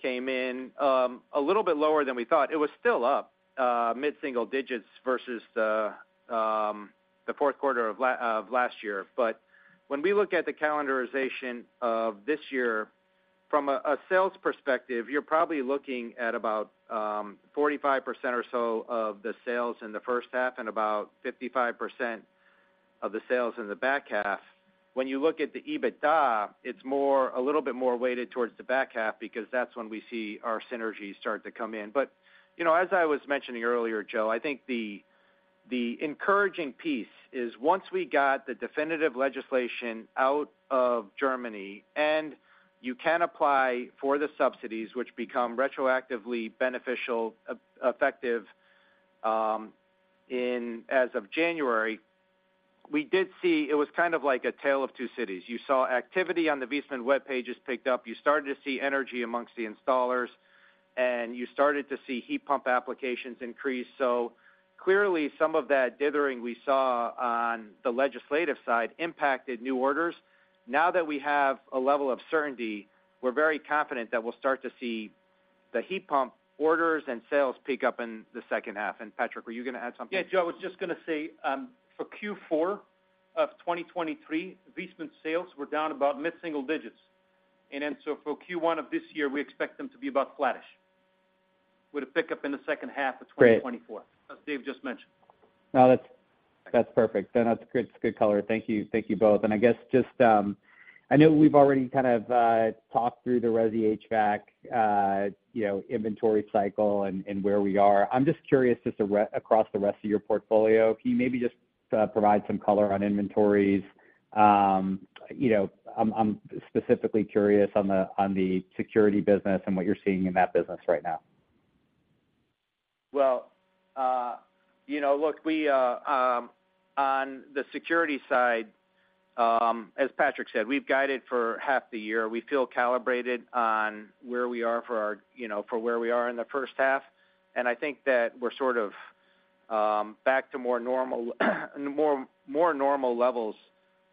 came in a little bit lower than we thought. It was still up mid-single digits versus the the fourth quarter of of last year. But when we look at the calendarization of this year, from a a sales perspective, you're probably looking at about 45% or so of the sales in the first half and about 55% of the sales in the back half. When you look at the EBITDA, it's more a little bit more weighted towards the back half because that's when we see our synergies start to come in. But, you know, as I was mentioning earlier, Joe, I think the, the encouraging piece is once we got the definitive legislation out of Germany, and you can apply for the subsidies, which become retroactively beneficial, effective in as of January, we did see it was kind of like a tale of two cities. You saw activity on the Viessmann web pages picked up. You started to see energy amongst the installers, and you started to see heat pump applications increase. So clearly, some of that dithering we saw on the legislative side impacted new orders. Now that we have a level of certainty, we're very confident that we'll start to see the heat pump orders and sales pick up in the second half. And Patrick, were you gonna add something? Yeah, Joe, I was just gonna say, for Q4 of 2023, Viessmann sales were down about mid-single digits. Then, for Q1 of this year, we expect them to be about flattish with a pickup in the second half of 2024- Great as Dave just mentioned. No, that's, that's perfect. Then that's good, good color. Thank you. Thank you both. And I guess just, I know we've already kind of talked through the resi HVAC, you know, inventory cycle and where we are. I'm just curious, just across the rest of your portfolio, can you maybe just provide some color on inventories? You know, I'm specifically curious on the, on the security business and what you're seeing in that business right now. Well, you know, look, we, on the security side, as Patrick said, we've guided for half the year. We feel calibrated on where we are for our, you know, for where we are in the first half, and I think that we're sort of back to more normal, more normal levels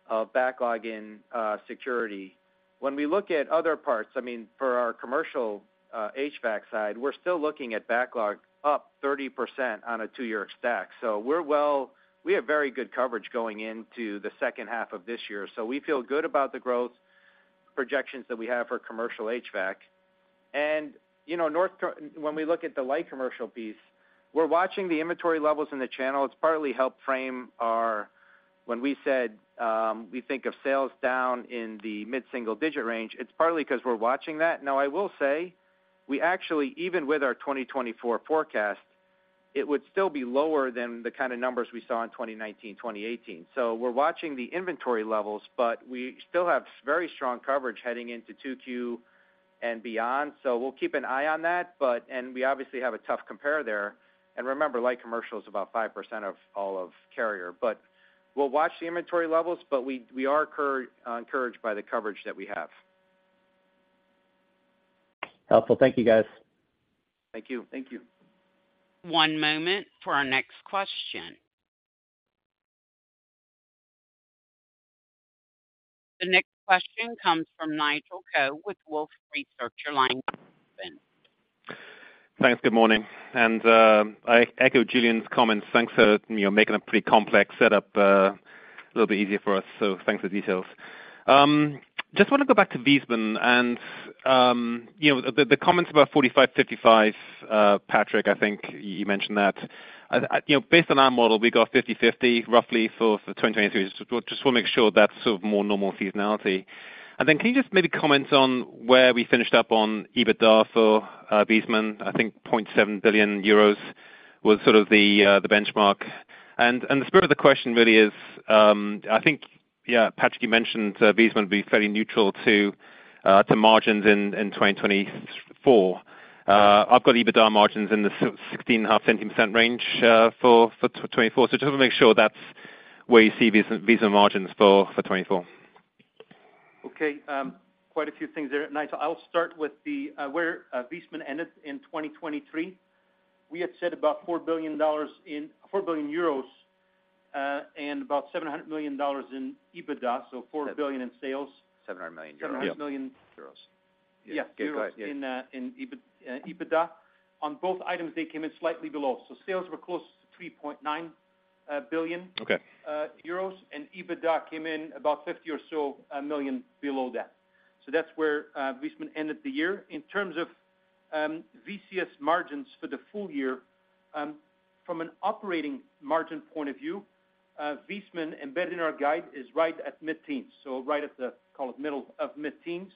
of backlog in security. When we look at other parts, I mean, for our commercial HVAC side, we're still looking at backlog up 30% on a two-year stack. So we're well-- We have very good coverage going into the second half of this year, so we feel good about the growth projections that we have for commercial HVAC. And you know, North Car- when we look at the light commercial piece, we're watching the inventory levels in the channel. It's partly helped frame our -- when we said, we think of sales down in the mid-single-digit range, it's partly because we're watching that. Now, I will say, we actually, even with our 2024 forecast, it would still be lower than the kind of numbers we saw in 2019, 2018. So we're watching the inventory levels, but we still have very strong coverage heading into 2Q and beyond. So we'll keep an eye on that, but-- and we obviously have a tough compare there. And remember, light commercial is about 5% of all of Carrier. But we'll watch the inventory levels, but we, we are encouraged by the coverage that we have. Helpful. Thank you, guys. Thank you. Thank you. One moment for our next question. The next question comes from Nigel Coe with Wolfe Research. Your line is open. Thanks. Good morning, and I echo Julian's comments. Thanks for, you know, making a pretty complex setup a little bit easier for us, so thanks for the details. Just wanna go back to Viessmann and, you know, the comments about 45/55, Patrick, I think you mentioned that. You know, based on our model, we got 50/50 roughly for 2023. Just wanna make sure that's sort of more normal seasonality. And then can you just maybe comment on where we finished up on EBITDA for Viessmann? I think 0.7 billion euros was sort of the benchmark. And the spirit of the question really is, I think, yeah, Patrick, you mentioned Viessmann would be fairly neutral to margins in 2024. I've got EBITDA margins in the 16.5%-17% range for 2024. So just wanna make sure that's where you see Viessmann margins for 2024. Okay, quite a few things there, Nigel. I'll start with where Viessmann ended in 2023. We had said about 4 billion euros in-- 4 billion euros, and about $700 million in EBITDA. So 4 billion in sales. 700 million euros. $700 million- Euros. Yeah, euros- Yeah, go ahead, yeah.... in EBITDA. On both items, they came in slightly below. So sales were close to $3.9 billion- Okay... euros, and EBITDA came in about 50 or so million below that. So that's where Viessmann ended the year. In terms of VCS margins for the full year, from an operating margin point of view, Viessmann, embedded in our guide, is right at mid-teen. So right at the, call it, middle of mid-teens.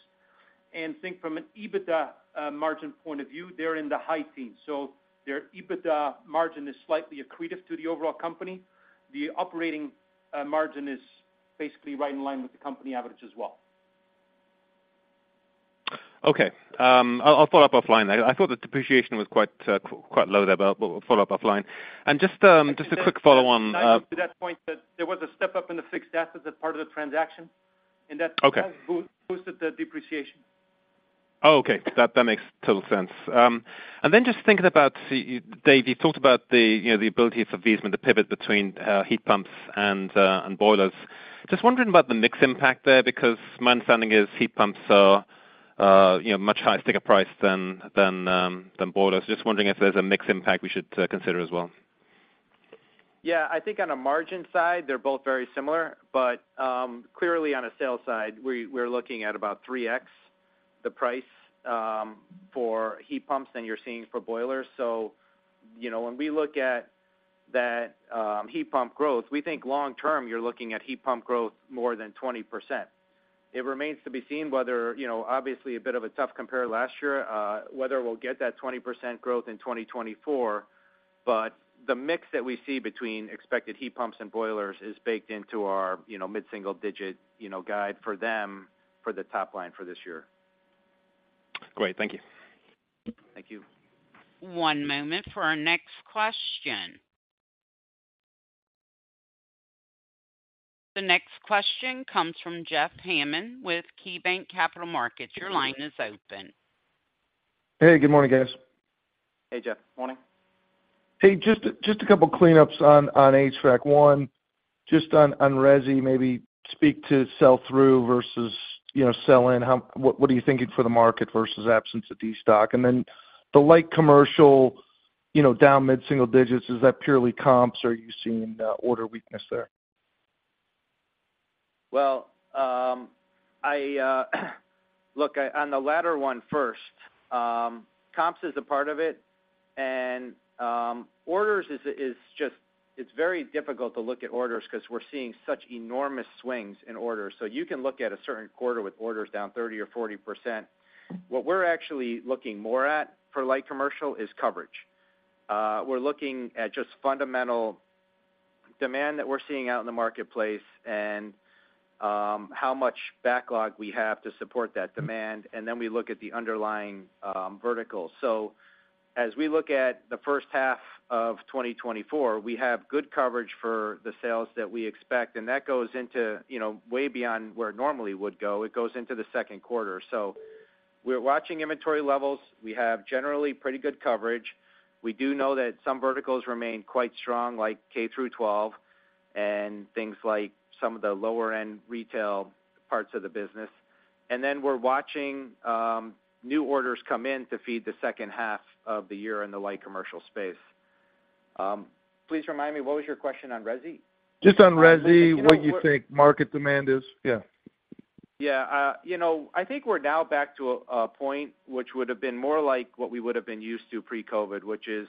And think from an EBITDA margin point of view, they're in the high teens. So their EBITDA margin is slightly accretive to the overall company. The operating margin is basically right in line with the company average as well. Okay. I'll, I'll follow up offline. I, I thought the depreciation was quite quite low there, but we'll, we'll follow up offline. And just, just a quick follow-on, To that point, that there was a step up in the fixed assets as part of the transaction, and that- Okay... boosted the depreciation. Oh, okay. That makes total sense. And then just thinking about the—Dave, you talked about the, you know, the ability for Viessmann to pivot between heat pumps and boilers. Just wondering about the mix impact there, because my understanding is heat pumps are, you know, much higher sticker price than boilers. Just wondering if there's a mix impact we should consider as well. Yeah. I think on a margin side, they're both very similar, but clearly, on a sales side, we're looking at about 3x the price for heat pumps than you're seeing for boilers. So, you know, when we look at that, heat pump growth, we think long term, you're looking at heat pump growth more than 20%. It remains to be seen whether, you know, obviously a bit of a tough compare last year, whether we'll get that 20% growth in 2024. But the mix that we see between expected heat pumps and boilers is baked into our, you know, mid-single-digit guide for them, for the top line for this year. Great. Thank you. Thank you. One moment for our next question. The next question comes from Jeff Hammond with KeyBanc Capital Markets. Your line is open. Hey, good morning, guys. Hey, Jeff. Morning. Hey, just a couple cleanups on HVAC. One, just on resi, maybe speak to sell-through versus, you know, sell-in. How, what are you thinking for the market versus absence of destock? And then the light commercial, you know, down mid-single digits, is that purely comps, or are you seeing order weakness there? Well, I look, on the latter one first, comps is a part of it, and orders is just—it's very difficult to look at orders because we're seeing such enormous swings in orders. So you can look at a certain quarter with orders down 30% or 40%. What we're actually looking more at for light commercial is coverage. We're looking at just fundamental demand that we're seeing out in the marketplace and how much backlog we have to support that demand, and then we look at the underlying verticals. So as we look at the first half of 2024, we have good coverage for the sales that we expect, and that goes into, you know, way beyond where it normally would go. It goes into the second quarter. So we're watching inventory levels. We have generally pretty good coverage. We do know that some verticals remain quite strong, like K through 12, and things like some of the lower-end retail parts of the business. And then we're watching new orders come in to feed the second half of the year in the light commercial space. Please remind me, what was your question on resi? Just on resi, what you think market demand is? Yeah. Yeah. You know, I think we're now back to a point which would've been more like what we would've been used to pre-COVID, which is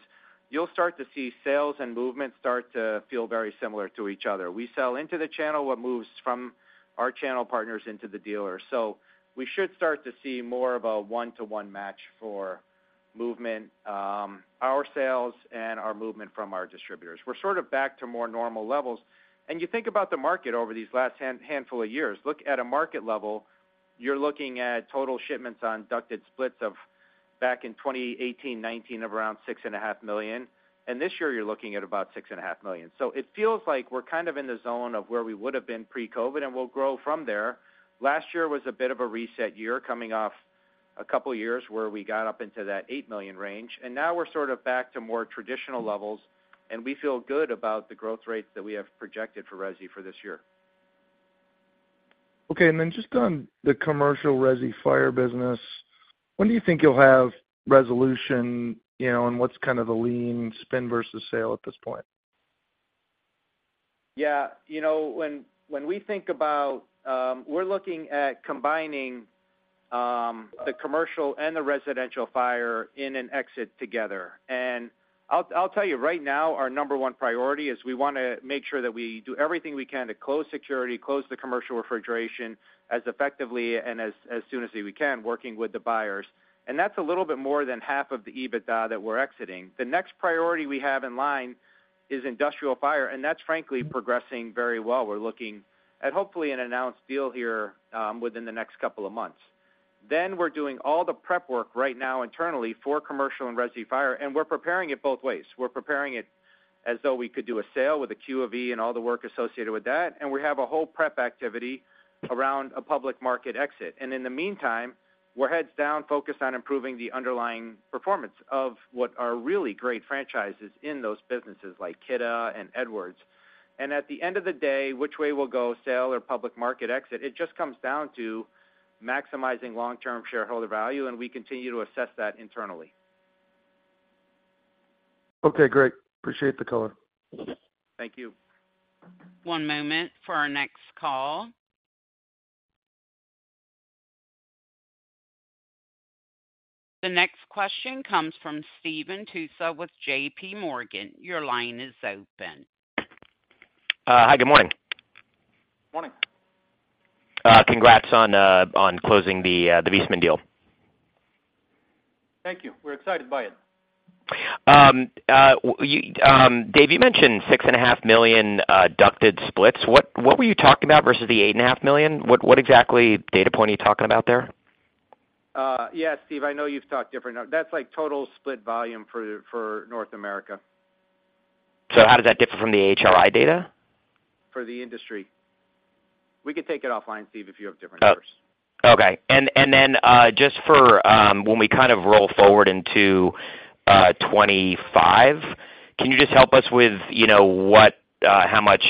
you'll start to see sales and movement start to feel very similar to each other. We sell into the channel what moves from our channel partners into the dealer. So we should start to see more of a one-to-one match for movement, our sales and our movement from our distributors. We're sort of back to more normal levels. And you think about the market over these last handful of years. Look at a market level, you're looking at total shipments on ducted splits of back in 2018, 2019, of around 6.5 million, and this year you're looking at about 6.5 million. So it feels like we're kind of in the zone of where we would've been pre-COVID, and we'll grow from there. Last year was a bit of a reset year, coming off a couple years where we got up into that 8 million range, and now we're sort of back to more traditional levels, and we feel good about the growth rates that we have projected for resi for this year. Okay, and then just on the commercial resi fire business, when do you think you'll have resolution, you know, and what's kind of the lean spin versus sale at this point? Yeah, you know, when we think about, we're looking at combining the commercial and the residential fire in an exit together. And I'll tell you right now, our number one priority is we want to make sure that we do everything we can to close security, close the Commercial Refrigeration as effectively and as soon as we can, working with the buyers. And that's a little bit more than half of the EBITDA that we're exiting. The next priority we have in line is Industrial Fire, and that's frankly progressing very well. We're looking at hopefully an announced deal here within the next couple of months. Then we're doing all the prep work right now internally for commercial and resi fire, and we're preparing it both ways. We're preparing it as though we could do a sale with a Q of E and all the work associated with that, and we have a whole prep activity around a public market exit. In the meantime, we're heads down, focused on improving the underlying performance of what are really great franchises in those businesses, like Kidde and Edwards. At the end of the day, which way we'll go, sale or public market exit, it just comes down to maximizing long-term shareholder value, and we continue to assess that internally. Okay, great. Appreciate the color. Thank you. One moment for our next call. The next question comes from Stephen Tusa with J.P. Morgan. Your line is open. Hi, good morning. Morning. Congrats on closing the Viessmann deal. Thank you. We're excited by it. You, Dave, you mentioned 6.5 million ducted splits. What were you talking about versus the 8.5 million? What exactly data point are you talking about there? Yeah, Steve, I know you've talked different. That's like total split volume for North America. How does that differ from the AHRI data? For the industry. We could take it offline, Steve, if you have different numbers. Oh, okay. And, and then, just for, when we kind of roll forward into 2025, can you just help us with, you know, what, how much,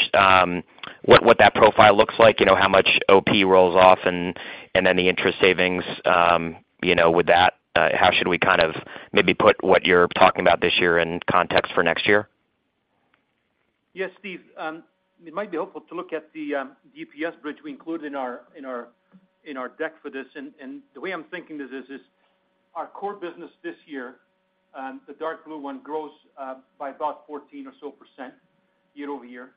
what, what that profile looks like? You know, how much OP rolls off and, and then the interest savings, you know, with that, how should we kind of maybe put what you're talking about this year in context for next year? Yes, Steve, it might be helpful to look at the DPS bridge we include in our deck for this. The way I'm thinking this is our core business this year, the dark blue one, grows by about 14% or so year-over-year.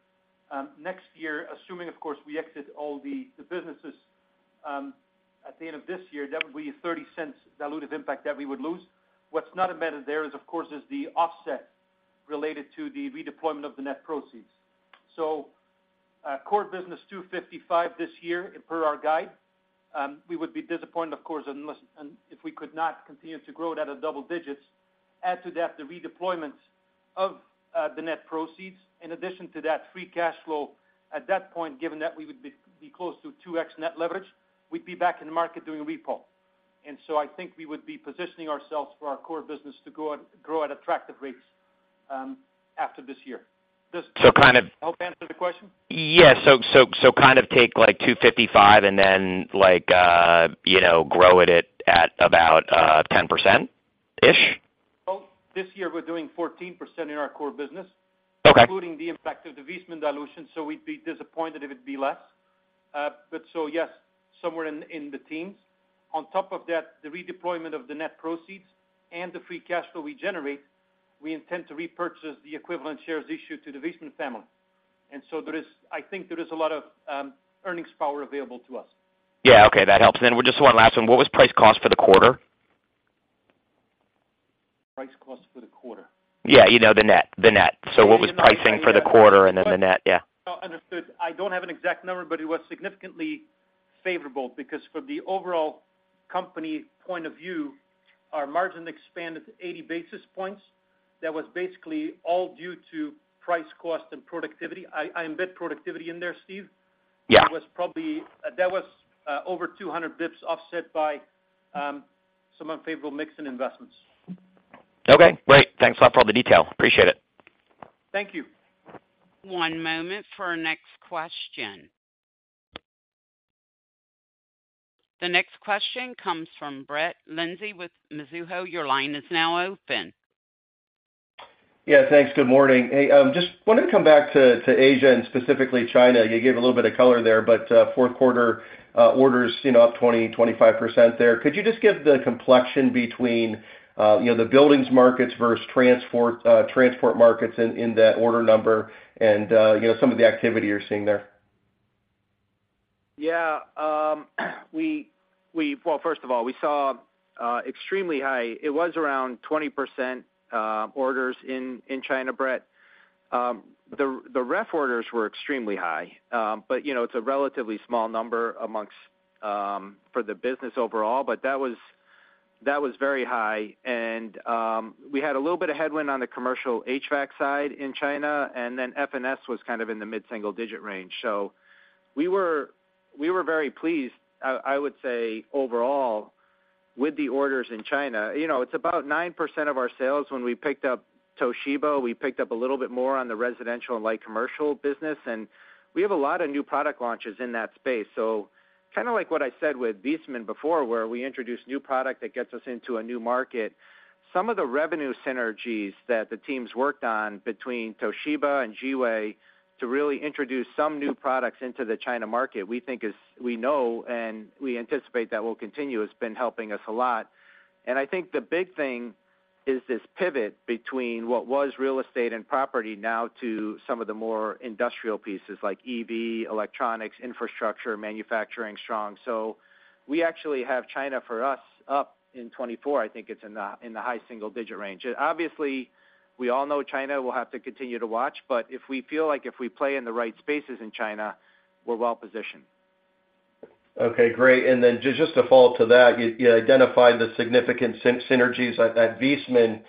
Next year, assuming, of course, we exit all the businesses at the end of this year, that would be $0.30 dilutive impact that we would lose. What's not embedded there is, of course, the offset related to the redeployment of the net proceeds. So, core business $2.55 this year, per our guide. We would be disappointed, of course, unless and if we could not continue to grow it at a double digits, add to that the redeployment of the net proceeds. In addition to that free cash flow, at that point, given that we would be close to 2x net leverage, we'd be back in the market doing repo. And so I think we would be positioning ourselves for our core business to grow at attractive rates after this year. Does- So kind of- Hope I answered the question? Yeah. So kind of take, like, 255 and then, like, you know, grow it at about 10%-ish? Well, this year we're doing 14% in our core business- Okay. - including the impact of the Viessmann dilution, so we'd be disappointed if it'd be less. But so, yes, somewhere in the teens. On top of that, the redeployment of the net proceeds and the free cash flow we generate, we intend to repurchase the equivalent shares issued to the Viessmann family. And so there is, I think there is a lot of earnings power available to us. Yeah. Okay, that helps. Then just one last one. What was price cost for the quarter? Price cost for the quarter? Yeah. You know, the net. So what was pricing for the quarter and then the net? Yeah. No, understood. I don't have an exact number, but it was significantly favorable because from the overall company point of view, our margin expanded 80 basis points. That was basically all due to price, cost, and productivity. I, I embed productivity in there, Steve. Yeah. That was over 200 basis points offset by some unfavorable mix in investments. Okay, great. Thanks a lot for all the detail. Appreciate it. Thank you. One moment for our next question. The next question comes from Brett Linzey with Mizuho. Your line is now open. Yeah, thanks. Good morning. Hey, just wanted to come back to Asia and specifically China. You gave a little bit of color there, but fourth quarter orders, you know, up 20-25% there. Could you just give the complexion between, you know, the buildings markets versus transport, transport markets in that order number? And, you know, some of the activity you're seeing there. Yeah, well, first of all, we saw extremely high. It was around 20% orders in China, Brett. The ref orders were extremely high, but you know, it's a relatively small number amongst for the business overall. But that was very high, and we had a little bit of headwind on the commercial HVAC side in China, and then F&S was kind of in the mid-single digit range. So we were very pleased, I would say, overall with the orders in China, you know, it's about 9% of our sales. When we picked up Toshiba, we picked up a little bit more on the residential and light commercial business, and we have a lot of new product launches in that space. So kind of like what I said with Viessmann before, where we introduce new product that gets us into a new market. Some of the revenue synergies that the teams worked on between Toshiba and Giwee to really introduce some new products into the China market, we think is—we know, and we anticipate that will continue, has been helping us a lot. And I think the big thing is this pivot between what was real estate and property now to some of the more industrial pieces like EV, electronics, infrastructure, manufacturing strong. So we actually have China, for us, up in 24. I think it's in the, in the high single digit range. Obviously, we all know China will have to continue to watch, but if we feel like if we play in the right spaces in China, we're well positioned. Okay, great. And then just to follow that, you identified the significant synergies at Viessmann.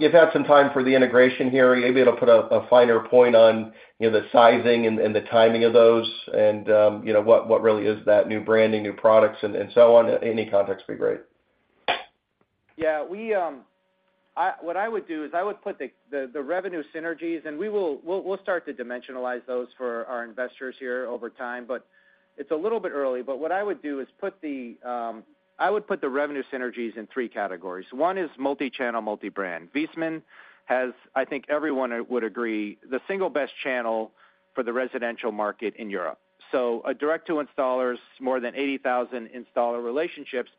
You've had some time for the integration here. Maybe it'll put a finer point on, you know, the sizing and the timing of those, and you know, what really is that new branding, new products, and so on. Any context would be great. Yeah, we, I-- what I would do is I would put the revenue synergies, and we'll start to dimensionalize those for our investors here over time, but it's a little bit early. But what I would do is put the revenue synergies in three categories. One is multi-channel, multi-brand. Viessmann has, I think everyone would agree, the single best channel for the residential market in Europe. So a direct to installers, more than 80,000 installer relationships,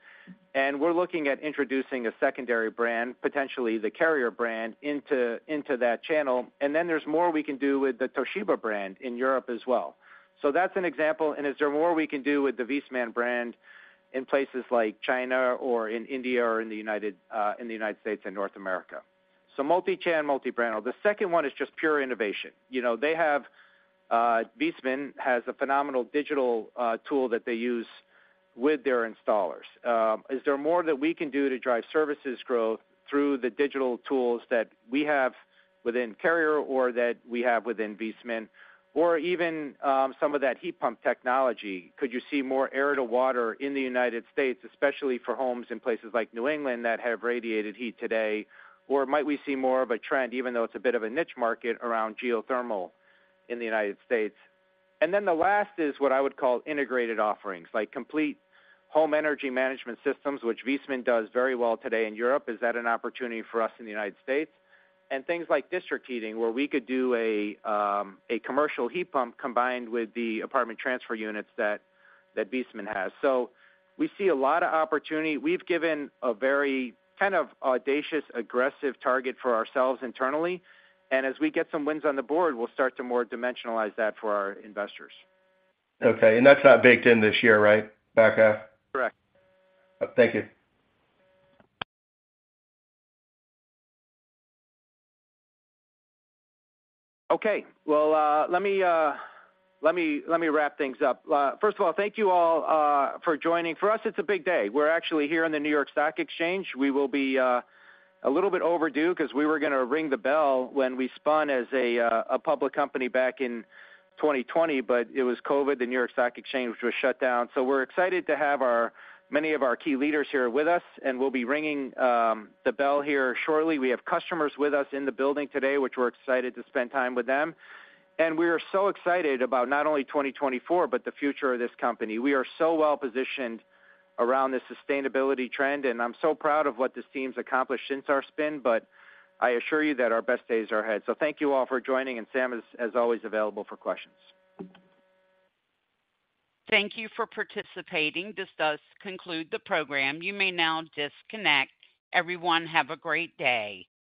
and we're looking at introducing a secondary brand, potentially the Carrier brand, into that channel. And then there's more we can do with the Toshiba brand in Europe as well. So that's an example. Is there more we can do with the Viessmann brand in places like China or in India or in the United States and North America? So multi-channel, multi-brand. The second one is just pure innovation. You know, they have Viessmann has a phenomenal digital tool that they use with their installers. Is there more that we can do to drive services growth through the digital tools that we have within Carrier or that we have within Viessmann, or even some of that heat pump technology? Could you see more air-to-water in the United States, especially for homes in places like New England that have radiated heat today? Or might we see more of a trend, even though it's a bit of a niche market, around geothermal in the United States? And then the last is what I would call integrated offerings, like complete home energy management systems, which Viessmann does very well today in Europe. Is that an opportunity for us in the United States? And things like district heating, where we could do a commercial heat pump combined with the apartment transfer units that Viessmann has. So we see a lot of opportunity. We've given a very kind of audacious, aggressive target for ourselves internally, and as we get some wins on the board, we'll start to more dimensionalize that for our investors. Okay. That's not baked in this year, right? Back half. Correct. Thank you. Okay. Well, let me wrap things up. First of all, thank you all for joining. For us, it's a big day. We're actually here in the New York Stock Exchange. We will be a little bit overdue because we were gonna ring the bell when we spun as a public company back in 2020, but it was COVID. The New York Stock Exchange was shut down. So we're excited to have our many of our key leaders here with us, and we'll be ringing the bell here shortly. We have customers with us in the building today, which we're excited to spend time with them. We are so excited about not only 2024, but the future of this company. We are so well positioned around this sustainability trend, and I'm so proud of what this team's accomplished since our spin, but I assure you that our best days are ahead. Thank you all for joining, and Sam is, as always, available for questions. Thank you for participating. This does conclude the program. You may now disconnect. Everyone, have a great day.